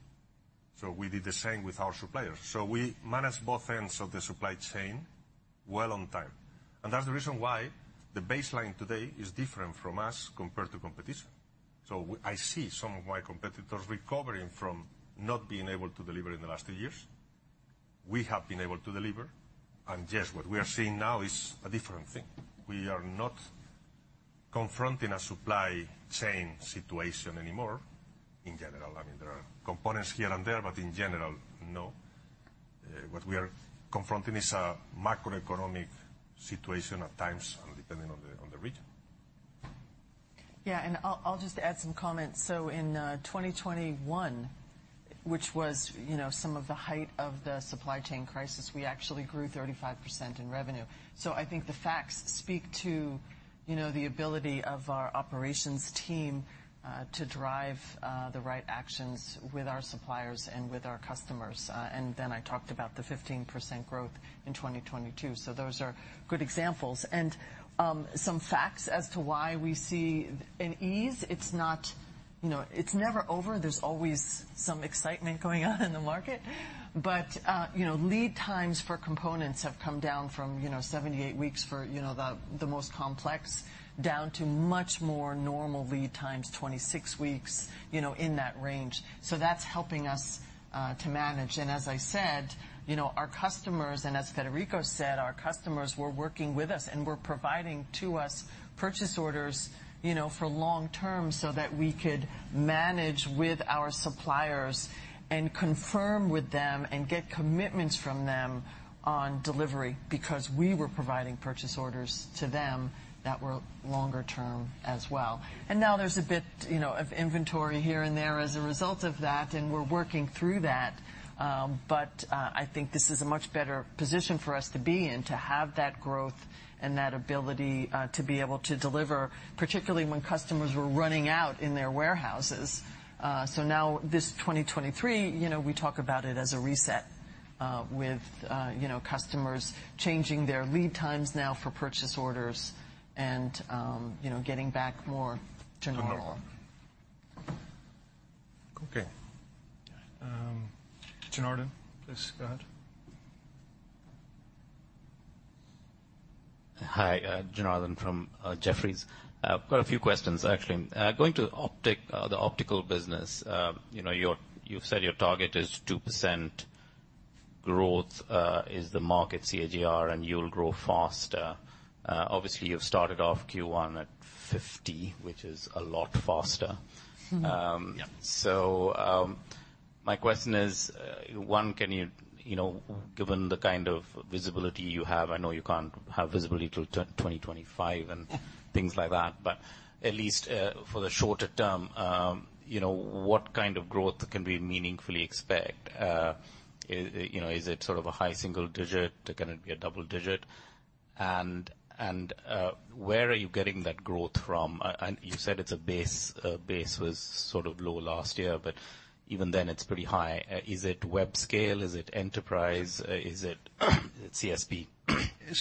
We did the same with our suppliers. We managed both ends of the supply chain well on time. That's the reason why the baseline today is different from us compared to competition. I see some of my competitors recovering from not being able to deliver in the last two years. We have been able to deliver. Yes, what we are seeing now is a different thing. We are not confronting a supply chain situation anymore in general. I mean, there are components here and there, but in general, no. What we are confronting is a macroeconomic situation at times and depending on the, on the region. Yeah, I'll just add some comments. In 2021, which was, you know, some of the height of the supply chain crisis, we actually grew 35% in revenue. I think the facts speak to, you know, the ability of our operations team to drive the right actions with our suppliers and with our customers. I talked about the 15% growth in 2022. Those are good examples. Some facts as to why we see an ease, it's not, you know, it's never over. There's always some excitement going on in the market. You know, lead times for components have come down from, you know, 78 weeks for, you know, the most complex, down to much more normal lead times, 26 weeks, you know, in that range. That's helping us to manage. As I said, you know, our customers, as Federico said, our customers were working with us and were providing to us purchase orders, you know, for long term so that we could manage with our suppliers and confirm with them and get commitments from them on delivery, because we were providing purchase orders to them that were longer term as well. Now there's a bit, you know, of inventory here and there as a result of that, and we're working through that. I think this is a much better position for us to be in, to have that growth and that ability to be able to deliver, particularly when customers were running out in their warehouses. Now this 2023, you know, we talk about it as a reset, with, you know, customers changing their lead times now for purchase orders and, you know, getting back more to normal. Okay. Janardan, please go ahead. Hi, Janardan from Jefferies. I've got a few questions, actually. Going to optic, the optical business, you know, you've said your target is 2% growth, is the market CAGR, and you'll grow faster. Obviously you've started off Q1 at 50G, which is a lot faster. Mm-hmm. Yeah. one, can you know, given the kind of visibility you have, I know you can't have visibility till 2025 and things like that, but at least, for the shorter term, you know, what kind of growth can we meaningfully expect? You know, is it sort of a high single digit? Can it be a double digit? And, where are you getting that growth from? And you said it's a base was sort of low last year, but even then, it's pretty high. Is it web scale? Is it enterprise? Is it CSP?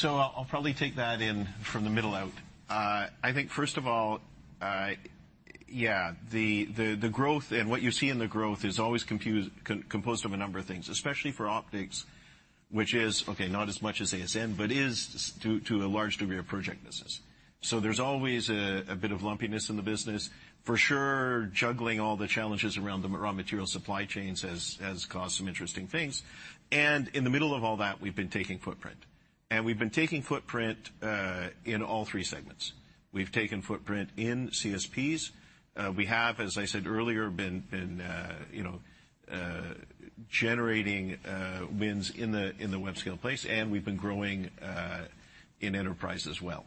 I'll probably take that in from the middle out. I think first of all. Yeah, the growth and what you see in the growth is always composed of a number of things, especially for optics, which is, okay, not as much as ASN, but is due to a large degree of project business. There's always a bit of lumpiness in the business. For sure, juggling all the challenges around the raw material supply chains has caused some interesting things. In the middle of all that, we've been taking footprint, and we've been taking footprint, in all three segments. We've taken footprint in CSPs. We have, as I said earlier, been, you know, generating wins in the web scale place, and we've been growing in enterprise as well.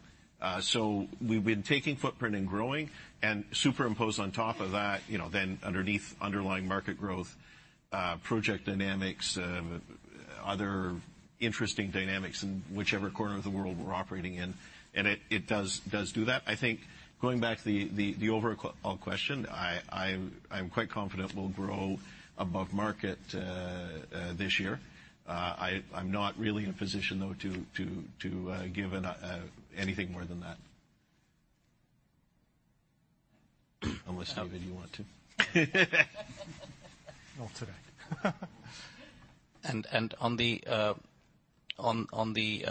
We've been taking footprint and growing and superimposed on top of that, you know, then underneath underlying market growth, project dynamics, other interesting dynamics in whichever corner of the world we're operating in. It does do that. I think going back to the overall question, I'm quite confident we'll grow above market this year. I'm not really in a position, though, to give anything more than that. Unless, David, you want to? Not today. On the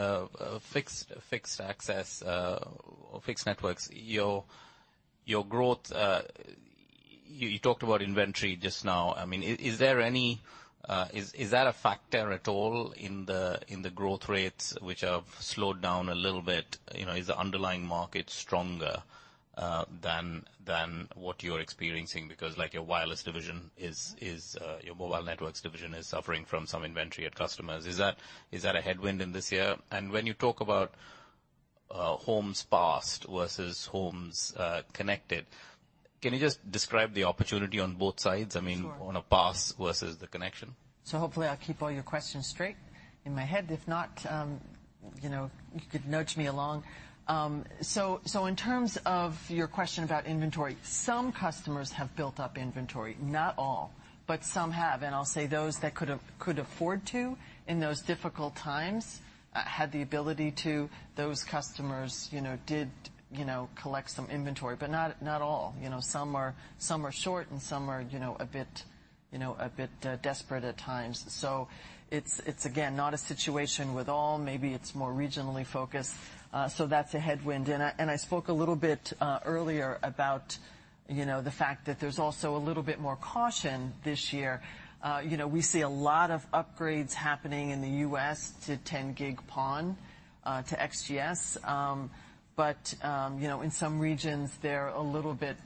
fixed access or Fixed Networks, your growth, you talked about inventory just now. I mean, is there any? Is that a factor at all in the growth rates which have slowed down a little bit? You know, is the underlying market stronger than what you're experiencing? Because, like, your wireless division is your Mobile Networks division is suffering from some inventory at customers. Is that a headwind in this year? When you talk about homes passed versus homes connected, can you just describe the opportunity on both sides? Sure. I mean, on a pass versus the connection. Hopefully I'll keep all your questions straight in my head. If not, you know, you could nudge me along. In terms of your question about inventory, some customers have built up inventory. Not all, but some have, and I'll say those that could afford to in those difficult times had the ability to. Those customers, you know, did, you know, collect some inventory, but not all. You know, some are short, and some are, you know, a bit desperate at times. It's, again, not a situation with all. Maybe it's more regionally focused. That's a headwind. I spoke a little bit earlier about, you know, the fact that there's also a little bit more caution this year. You know, we see a lot of upgrades happening in the U.S. to 10G PON, to XGS. You know, in some regions, they're a little bit,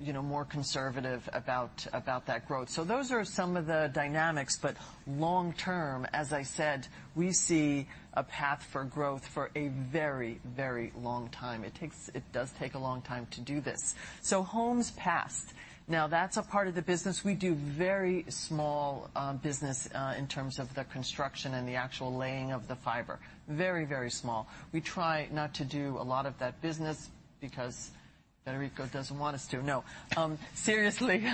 you know, more conservative about that growth. Those are some of the dynamics. Long term, as I said, we see a path for growth for a very, very long time. It does take a long time to do this. Homes passed. Now, that's a part of the business. We do very small business in terms of the construction and the actual laying of the fiber. Very, very small. We try not to do a lot of that business because Federico doesn't want us to. Seriously,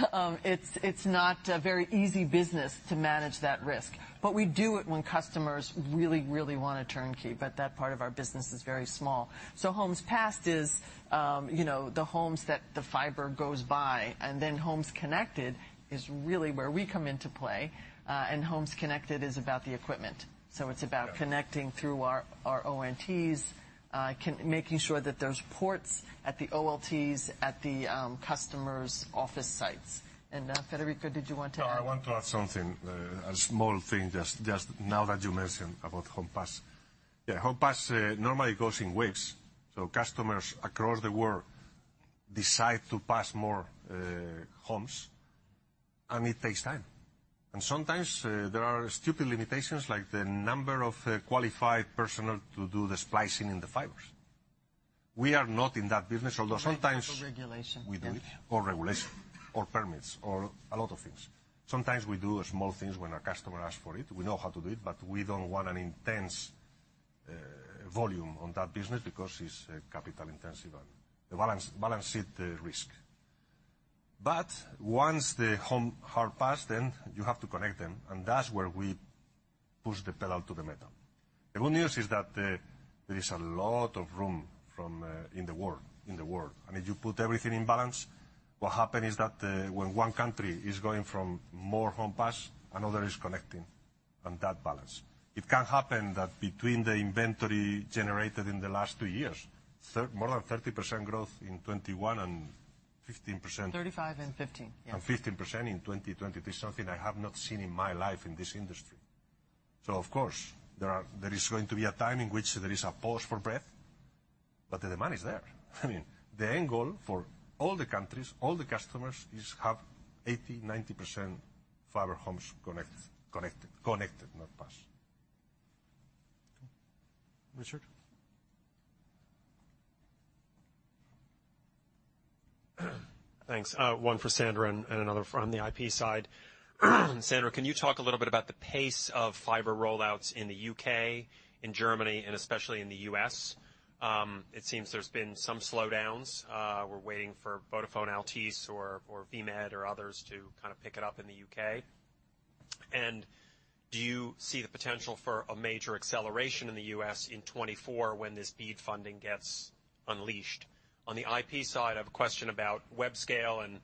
it's not a very easy business to manage that risk, but we do it when customers really want a turnkey. That part of our business is very small. Homes passed is, you know, the homes that the fiber goes by, and then homes connected is really where we come into play. Homes connected is about the equipment. Yeah. It's about connecting through our ONTs, making sure that there's ports at the OLTs, at the customer's office sites. Federico, did you want to add? No, I want to add something, a small thing, just now that you mentioned about home passed. Yeah, home passed normally goes in waves, so customers across the world decide to pass more, homes, and it takes time. Sometimes, there are stupid limitations, like the number of qualified personnel to do the splicing in the fibers. We are not in that business, although sometimes. Regulation. We do it. Regulation or permits or a lot of things. Sometimes we do small things when a customer asks for it. We know how to do it, but we don't want an intense volume on that business because it's capital intensive and the balance is the risk. Once the home are passed, then you have to connect them, and that's where we push the pedal to the metal. The good news is that there is a lot of room from in the world, and if you put everything in balance, what happened is that when one country is going from more home passed, another is connecting, and that balance. It can happen that between the inventory generated in the last two years, more than 30% growth in 21% and 15%- 35% and 15%. 15% in 2020. This is something I have not seen in my life in this industry. Of course, there is going to be a time in which there is a pause for breath, but the demand is there. The end goal for all the countries, all the customers, is have 80%, 90% fiber homes connected, not passed. Richard? Thanks. One for Sandra and another from the IP side. Sandra, can you talk a little bit about the pace of fiber rollouts in the U.K., in Germany, and especially in the U.S.? It seems there's been some slowdowns. We're waiting for Vodafone, Altice, or VMED or others to kind of pick it up in the U.K. Do you see the potential for a major acceleration in the U.S. in 2024 when this BEAD funding gets unleashed? On the IP side, I have a question about web scale and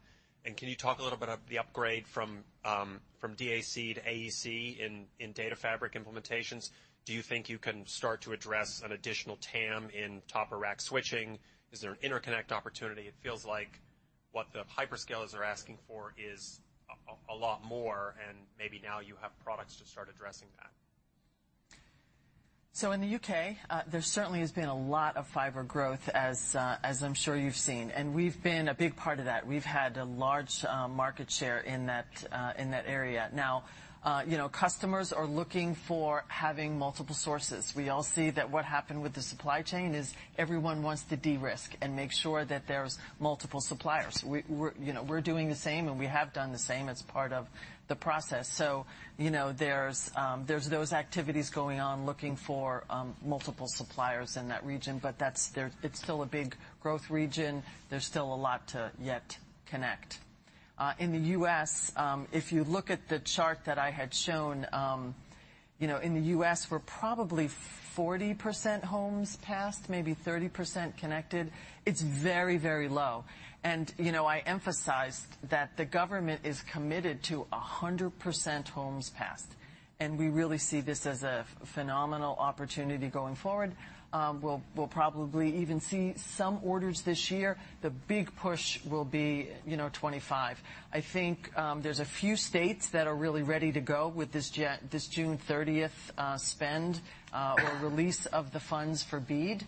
can you talk a little bit about the upgrade from DAC to AEC in data fabric implementations? Do you think you can start to address an additional TAM in top-of-rack switching? Is there an interconnect opportunity? It feels like what the hyperscalers are asking for is a lot more, and maybe now you have products to start addressing that. In the U.K., there certainly has been a lot of fiber growth, as I'm sure you've seen, and we've been a big part of that. We've had a large market share in that area. Customers are looking for having multiple sources. We all see that what happened with the supply chain is everyone wants to de-risk and make sure that there's multiple suppliers. We're, you know, doing the same, and we have done the same as part of the process. There's those activities going on, looking for multiple suppliers in that region, but it's still a big growth region. There's still a lot to yet connect. In the U.S., if you look at the chart that I had shown, in the U.S., we're probably 40% homes passed, maybe 30% connected. It's very, very low. I emphasized that the government is committed to 100% homes passed, and we really see this as a phenomenal opportunity going forward. We'll, we'll probably even see some orders this year. The big push will be 2025. I think, there's a few states that are really ready to go with this June 30th spend or release of the funds for BEAD.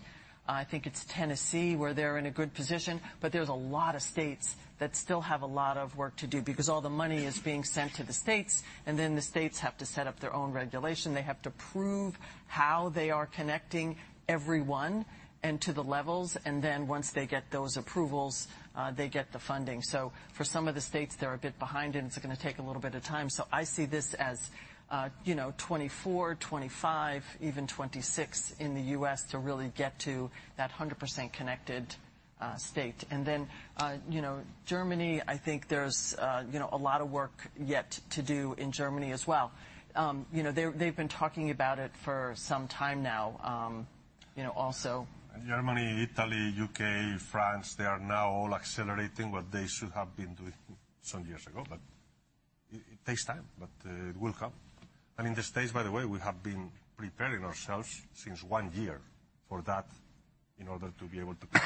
I think it's Tennessee, where they're in a good position. There's a lot of states that still have a lot of work to do, because all the money is being sent to the states, and then the states have to set up their own regulation. They have to prove how they are connecting everyone and to the levels, and then once they get those approvals, they get the funding. For some of the states, they're a bit behind it, and it's gonna take a little bit of time. I see this as, you know, 2024, 2025, even 2026 in the U.S. to really get to that 100% connected state. Germany, I think there's, you know, a lot of work yet to do in Germany as well. You know, they've been talking about it for some time now, you know, also. Germany, Italy, U.K., France, they are now all accelerating what they should have been doing some years ago. It takes time. It will help. In the States, by the way, we have been preparing ourselves since one year for that in order to be able to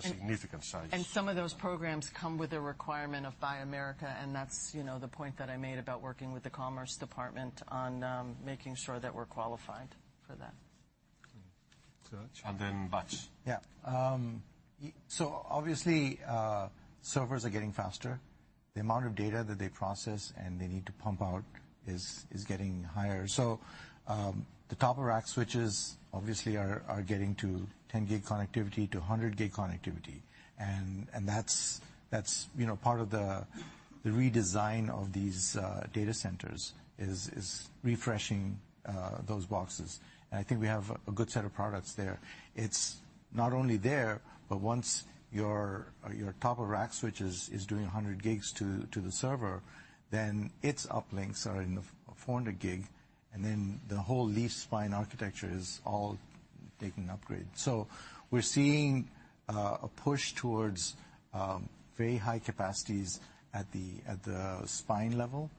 significant size. Some of those programs come with a requirement of Buy America, and that's, you know, the point that I made about working with the Commerce Department on making sure that we're qualified for that. Search, Vach. Obviously, servers are getting faster. The amount of data that they process and they need to pump out is getting higher. The top-of-rack switches obviously are getting to 10G connectivity, to 100G connectivity. That's part of the redesign of these data centers, is refreshing those boxes. I think we have a good set of products there. It's not only there, but once your top-of-rack switches is doing 100G to the server, then its uplinks are in the 400G, and then the whole leaf-spine architecture is all taking an upgrade. We're seeing a push towards very high capacities at the spine level,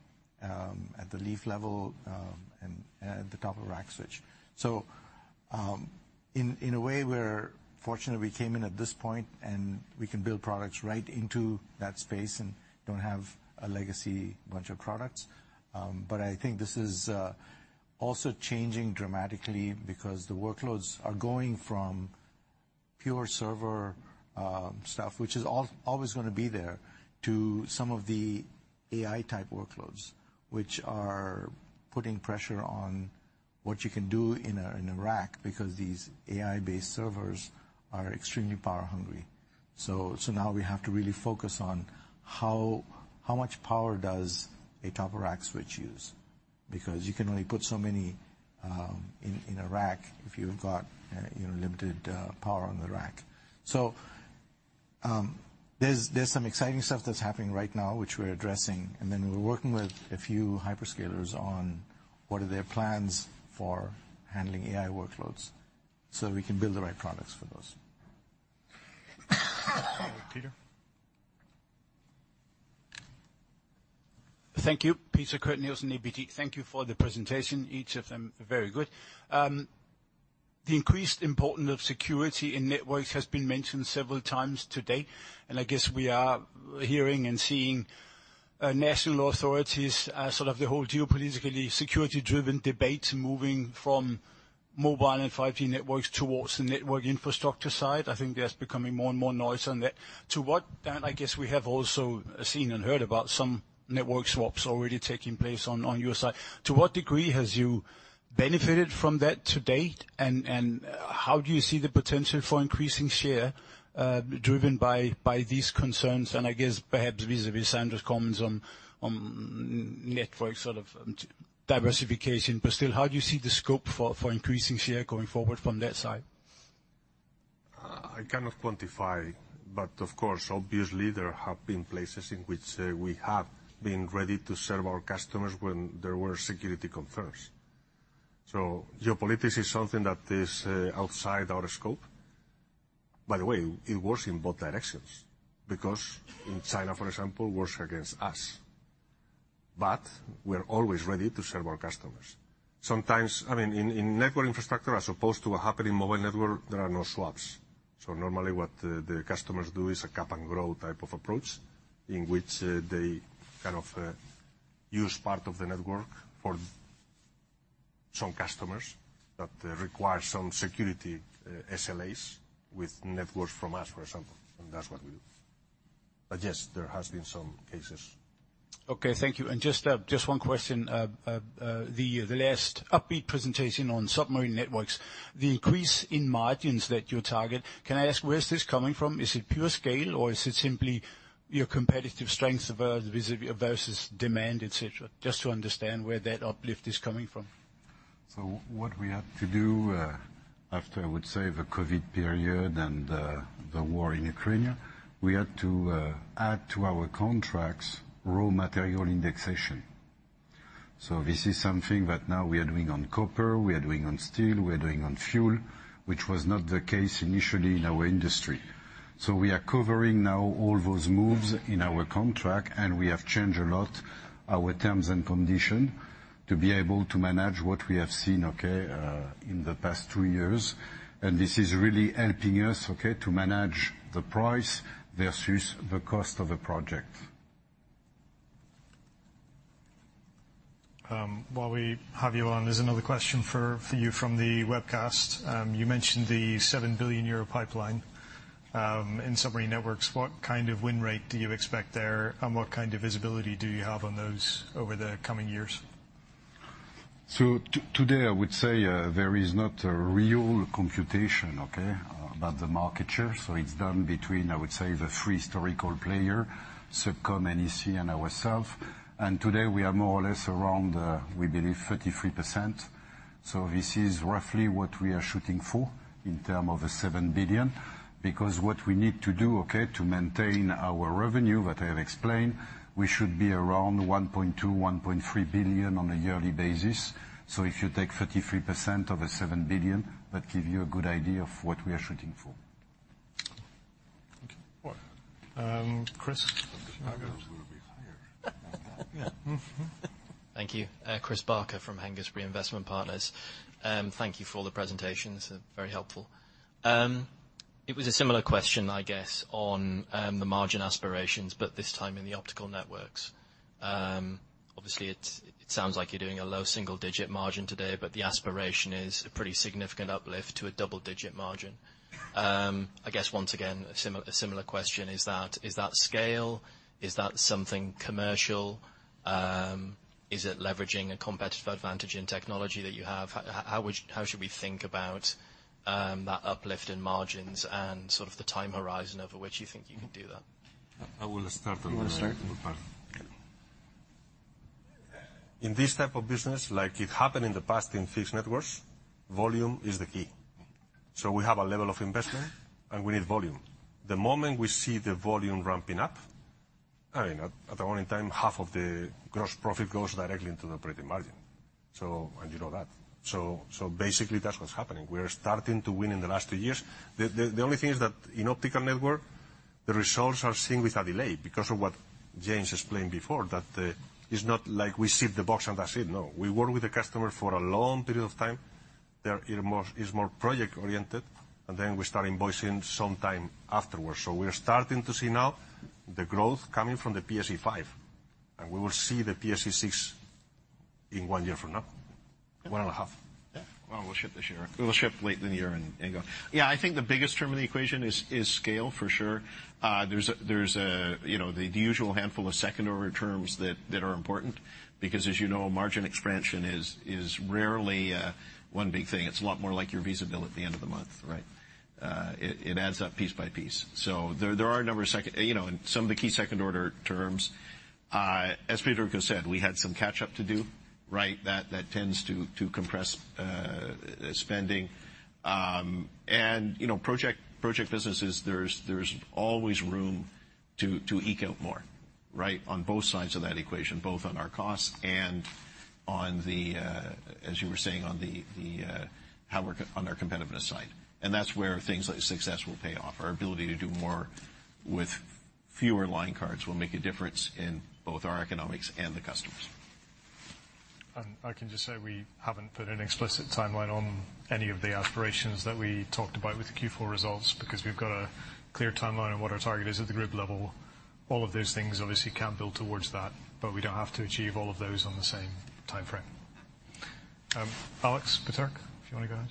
at the leaf level, and at the top-of-rack switch. In a way, we're fortunate we came in at this point, and we can build products right into that space and don't have a legacy bunch of products. I think this is also changing dramatically because the workloads are going from pure server stuff, which is always going to be there, to some of the AI-type workloads, which are putting pressure on what you can do in a rack, because these AI-based servers are extremely power hungry. Now we have to really focus on how much power does a top-of-rack switch use? Because you can only put so many in a rack if you've got, you know, limited power on the rack. There's some exciting stuff that's happening right now, which we're addressing, and then we're working with a few hyperscalers on what are their plans for handling AI workloads, so we can build the right products for those. Peter? Thank you. Peter Kurt Nielsen, ABG. Thank you for the presentation, each of them, very good. The increased importance of security in networks has been mentioned several times today. I guess we are hearing and seeing national authorities sort of the whole geopolitically security-driven debate moving from mobile and 5G networks towards the network infrastructure side. I think there's becoming more and more noise on that. I guess we have also seen and heard about some network swaps already taking place on your side. To what degree has you benefited from that to date, and how do you see the potential for increasing share driven by these concerns? I guess perhaps vis-a-vis Sandra's comments on network sort of diversification, but still, how do you see the scope for increasing share going forward from that side? I cannot quantify, but of course, obviously, there have been places in which, we have been ready to serve our customers when there were security concerns. Geopolitics is something that is outside our scope. By the way, it works in both directions, because in China, for example, works against us. We're always ready to serve our customers. Sometimes, I mean, in network infrastructure, as opposed to what happened in mobile network, there are no swaps. Normally what the customers do is a CapEx and grow type of approach, in which, they kind of, use part of the network for some customers that require some security, SLAs with networks from us, for example, and that's what we do. Yes, there has been some cases. Okay, thank you. Just one question. The last upbeat presentation on submarine networks, the increase in margins that you target, can I ask, where is this coming from? Is it pure scale, or is it simply your competitive strength versus demand, et cetera? Just to understand where that uplift is coming from. What we have to do, after, I would say, the COVID period and, the war in Ukraine, we had to add to our contracts raw material indexation. This is something that now we are doing on copper, we are doing on steel, we are doing on fuel, which was not the case initially in our industry. We are covering now all those moves in our contract, and we have changed a lot our terms and condition to be able to manage what we have seen in the past two years. This is really helping us to manage the price versus the cost of the project. While we have you on, there's another question for you from the webcast. You mentioned the 7 billion euro pipeline in submarine networks. What kind of win rate do you expect there, and what kind of visibility do you have on those over the coming years? Today, I would say, there is not a real computation, okay, about the market share. It's done between, I would say, the three historical player, SubCom, NEC, and ourselves. Today, we are more or less around, we believe, 33%. This is roughly what we are shooting for in term of the 7 billion. Because what we need to do, okay, to maintain our revenue, that I have explained, we should be around 1.2 billion-1.3 billion on a yearly basis. If you take 33% of a 7 billion, that give you a good idea of what we are shooting for. Okay. Chris? I thought it was going to be higher. Yeah. Mm-hmm. Thank you. Chris Barker from Angus Reinvestment Partners. Thank you for all the presentations, very helpful. It was a similar question, I guess, on the margin aspirations, but this time in the optical networks. Obviously, it sounds like you're doing a low single-digit margin today, but the aspiration is a pretty significant uplift to a double-digit margin. I guess once again, a similar question, is that scale? Is that something commercial? Is it leveraging a competitive advantage in technology that you have? How should we think about that uplift in margins and sort of the time horizon over which you think you can do that? I will start on that part. You want to start? In this type of business, like it happened in the past in Fixed Networks, volume is the key. We have a level of investment, and we need volume. The moment we see the volume ramping up, I mean, at the only time, half of the gross profit goes directly into the operating margin. And you know that. Basically, that's what's happening. We are starting to win in the last two years. The only thing is that in Optical Networks, the results are seen with a delay because of what James explained before. It's not like we ship the box, and that's it. No. We work with the customer for a long period of time. Is more project-oriented, and we start invoicing sometime afterwards. We are starting to see now the growth coming from the PSE-5, and we will see the PSE-6 in one year from now. One and a half. Well, we'll ship this year. We'll ship late in the year and go. I think the biggest term in the equation is scale, for sure. There's a, you know, the usual handful of second-order terms that are important, because as you know, margin expansion is rarely, one big thing. It's a lot more like your visa bill at the end of the month, right? It adds up piece by piece. There are a number of, you know, and some of the key second-order terms, as Peter said, we had some catch-up to do, right? That tends to compress spending. You know, project businesses, there's always room to eke out more, right? On both sides of that equation, both on our costs and on the, as you were saying, on the, how work on our competitiveness side. That's where things like success will pay off. Our ability to do more with fewer line cards will make a difference in both our economics and the customers. I can just say we haven't put an explicit timeline on any of the aspirations that we talked about with the Q4 results, because we've got a clear timeline on what our target is at the group level. All of those things obviously can build towards that, but we don't have to achieve all of those on the same timeframe. Alex Peterc, do you want to go ahead?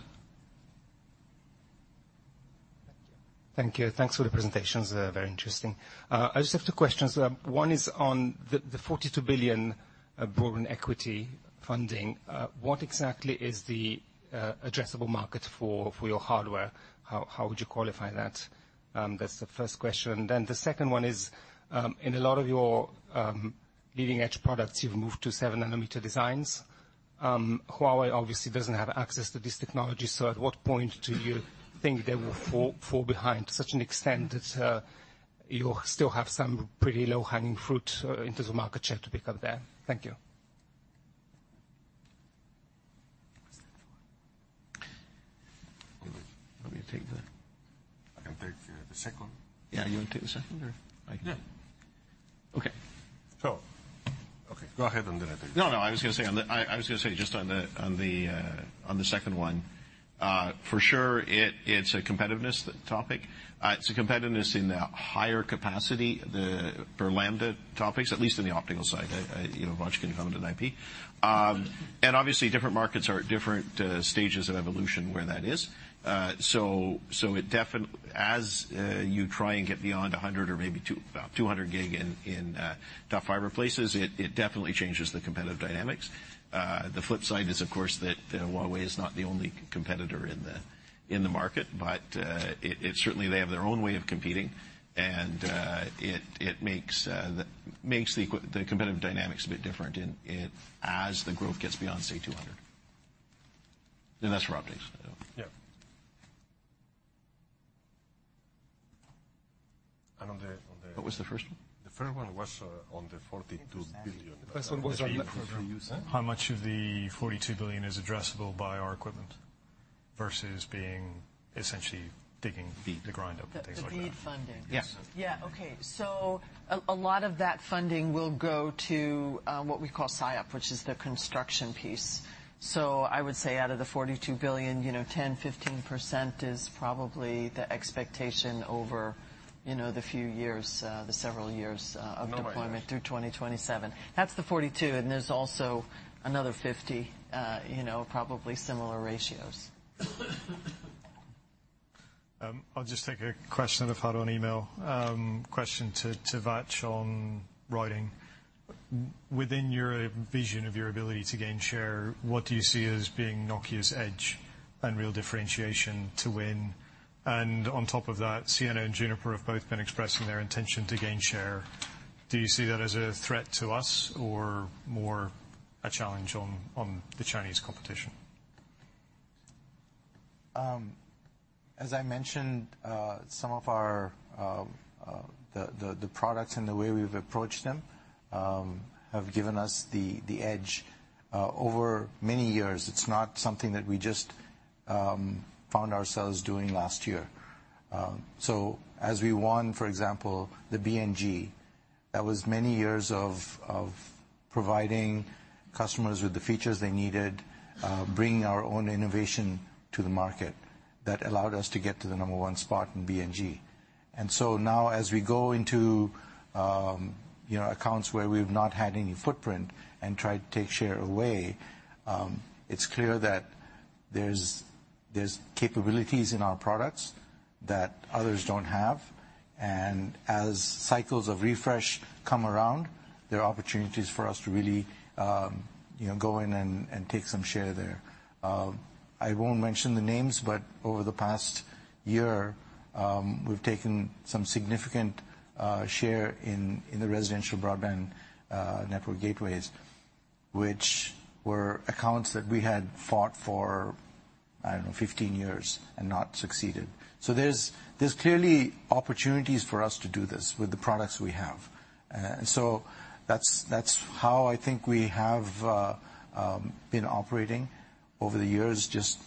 Thank you. Thanks for the presentations. They're very interesting. I just have two questions. One is on the $42 billion broad equity funding. What exactly is the addressable market for your hardware? How would you qualify that? That's the first question. The second one is, in a lot of your leading edge products, you've moved to 7 nm designs. Huawei obviously doesn't have access to this technology, at what point do you think they will fall behind to such an extent that you'll still have some pretty low-hanging fruit into the market share to pick up there? Thank you. You want me to take that? I can take, the second one. Yeah, you want to take the second, or I can? Yeah. Okay. Okay, go ahead, and then I take it. No, no, I was gonna say on the... I was gonna say just on the second one, for sure it's a competitiveness topic. It's a competitiveness in the higher capacity, the per lambda topics, at least in the optical side, you know, large incumbent IP. Obviously, different markets are at different stages of evolution where that is. As you try and get beyond 100G or maybe 200G in top fiber places, it definitely changes the competitive dynamics. The flip side is, of course, that Huawei is not the only competitor in the market, but it... Certainly, they have their own way of competing, and it makes the competitive dynamics a bit different in it as the growth gets beyond, say, 200G. That's for optics. Yeah. What was the first one? The first one was, on the $42 billion. First one was on- How much of the $42 billion is addressable by our equipment versus being essentially digging the ground up and things like that? The BEAD funding. Yes. Yeah. Okay, a lot of that funding will go to what we call CapEx, which is the construction piece. I would say out of the $42 billion, you know, 10%-15% is probably the expectation over, you know, the few years, the several years No worries. of deployment through 2027. That's the $42 billion, and there's also another $50 billion, you know, probably similar ratios. I'll just take a question that I've had on email. Question to Vach on riding. Within your vision of your ability to gain share, what do you see as being Nokia's edge and real differentiation to win? On top of that, Ciena and Juniper have both been expressing their intention to gain share. Do you see that as a threat to us or more a challenge on the Chinese competition? As I mentioned, some of our products and the way we've approached them have given us the edge over many years. It's not something that we just found ourselves doing last year. As we won, for example, the BNG, that was many years of providing customers with the features they needed, bringing our own innovation to the market. That allowed us to get to the number one spot in BNG. Now as we go into, you know, accounts where we've not had any footprint and try to take share away, it's clear that there's capabilities in our products that others don't have, and as cycles of refresh come around, there are opportunities for us to really, you know, go in and take some share there. I won't mention the names, but over the past year, we've taken some significant share in the residential broadband network gateways, which were accounts that we had fought for, I don't know, 15 years and not succeeded. There's clearly opportunities for us to do this with the products we have. That's how I think we have been operating over the years, just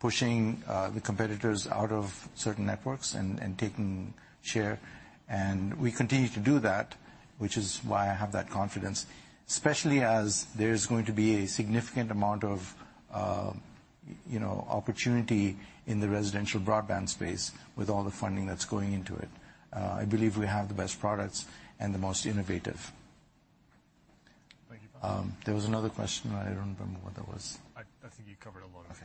pushing the competitors out of certain networks and taking share. We continue to do that, which is why I have that confidence, especially as there's going to be a significant amount of, you know, opportunity in the residential broadband space with all the funding that's going into it. I believe we have the best products and the most innovative. Thank you. There was another question. I don't remember what that was. I think you covered a lot of it.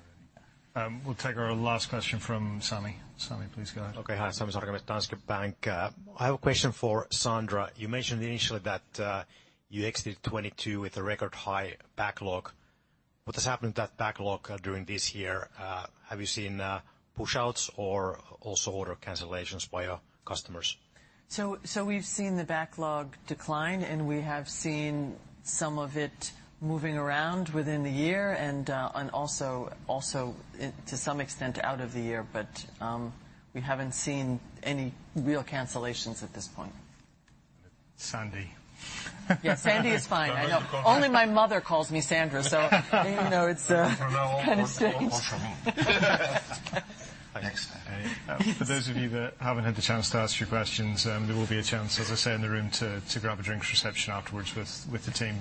Okay. We'll take our last question from Sami. Sami, please go ahead. Okay, hi, Sami Sarkamies, Danske Bank. I have a question for Sandra. You mentioned initially that you exited 2022 with a record high backlog. What has happened to that backlog during this year? Have you seen push-outs or also order cancellations by your customers? We've seen the backlog decline, and we have seen some of it moving around within the year and also, it to some extent, out of the year, but, we haven't seen any real cancellations at this point. Sandy. Yeah, Sandy is fine. I know. Okay. Only my mother calls me Sandra, you know, it's kind of strange. Next. For those of you that haven't had the chance to ask your questions, there will be a chance, as I say, in the room, to grab a drinks reception afterwards with the team.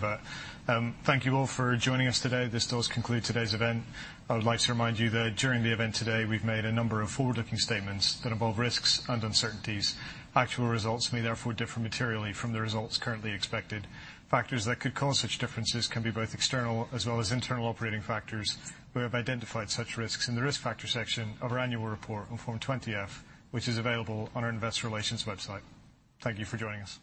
Thank you all for joining us today. This does conclude today's event. I would like to remind you that during the event today, we've made a number of forward-looking statements that involve risks and uncertainties. Actual results may therefore differ materially from the results currently expected. Factors that could cause such differences can be both external, as well as internal operating factors. We have identified such risks in the risk factor section of our annual report on Form 20-F, which is available on our investor relations website. Thank you for joining us.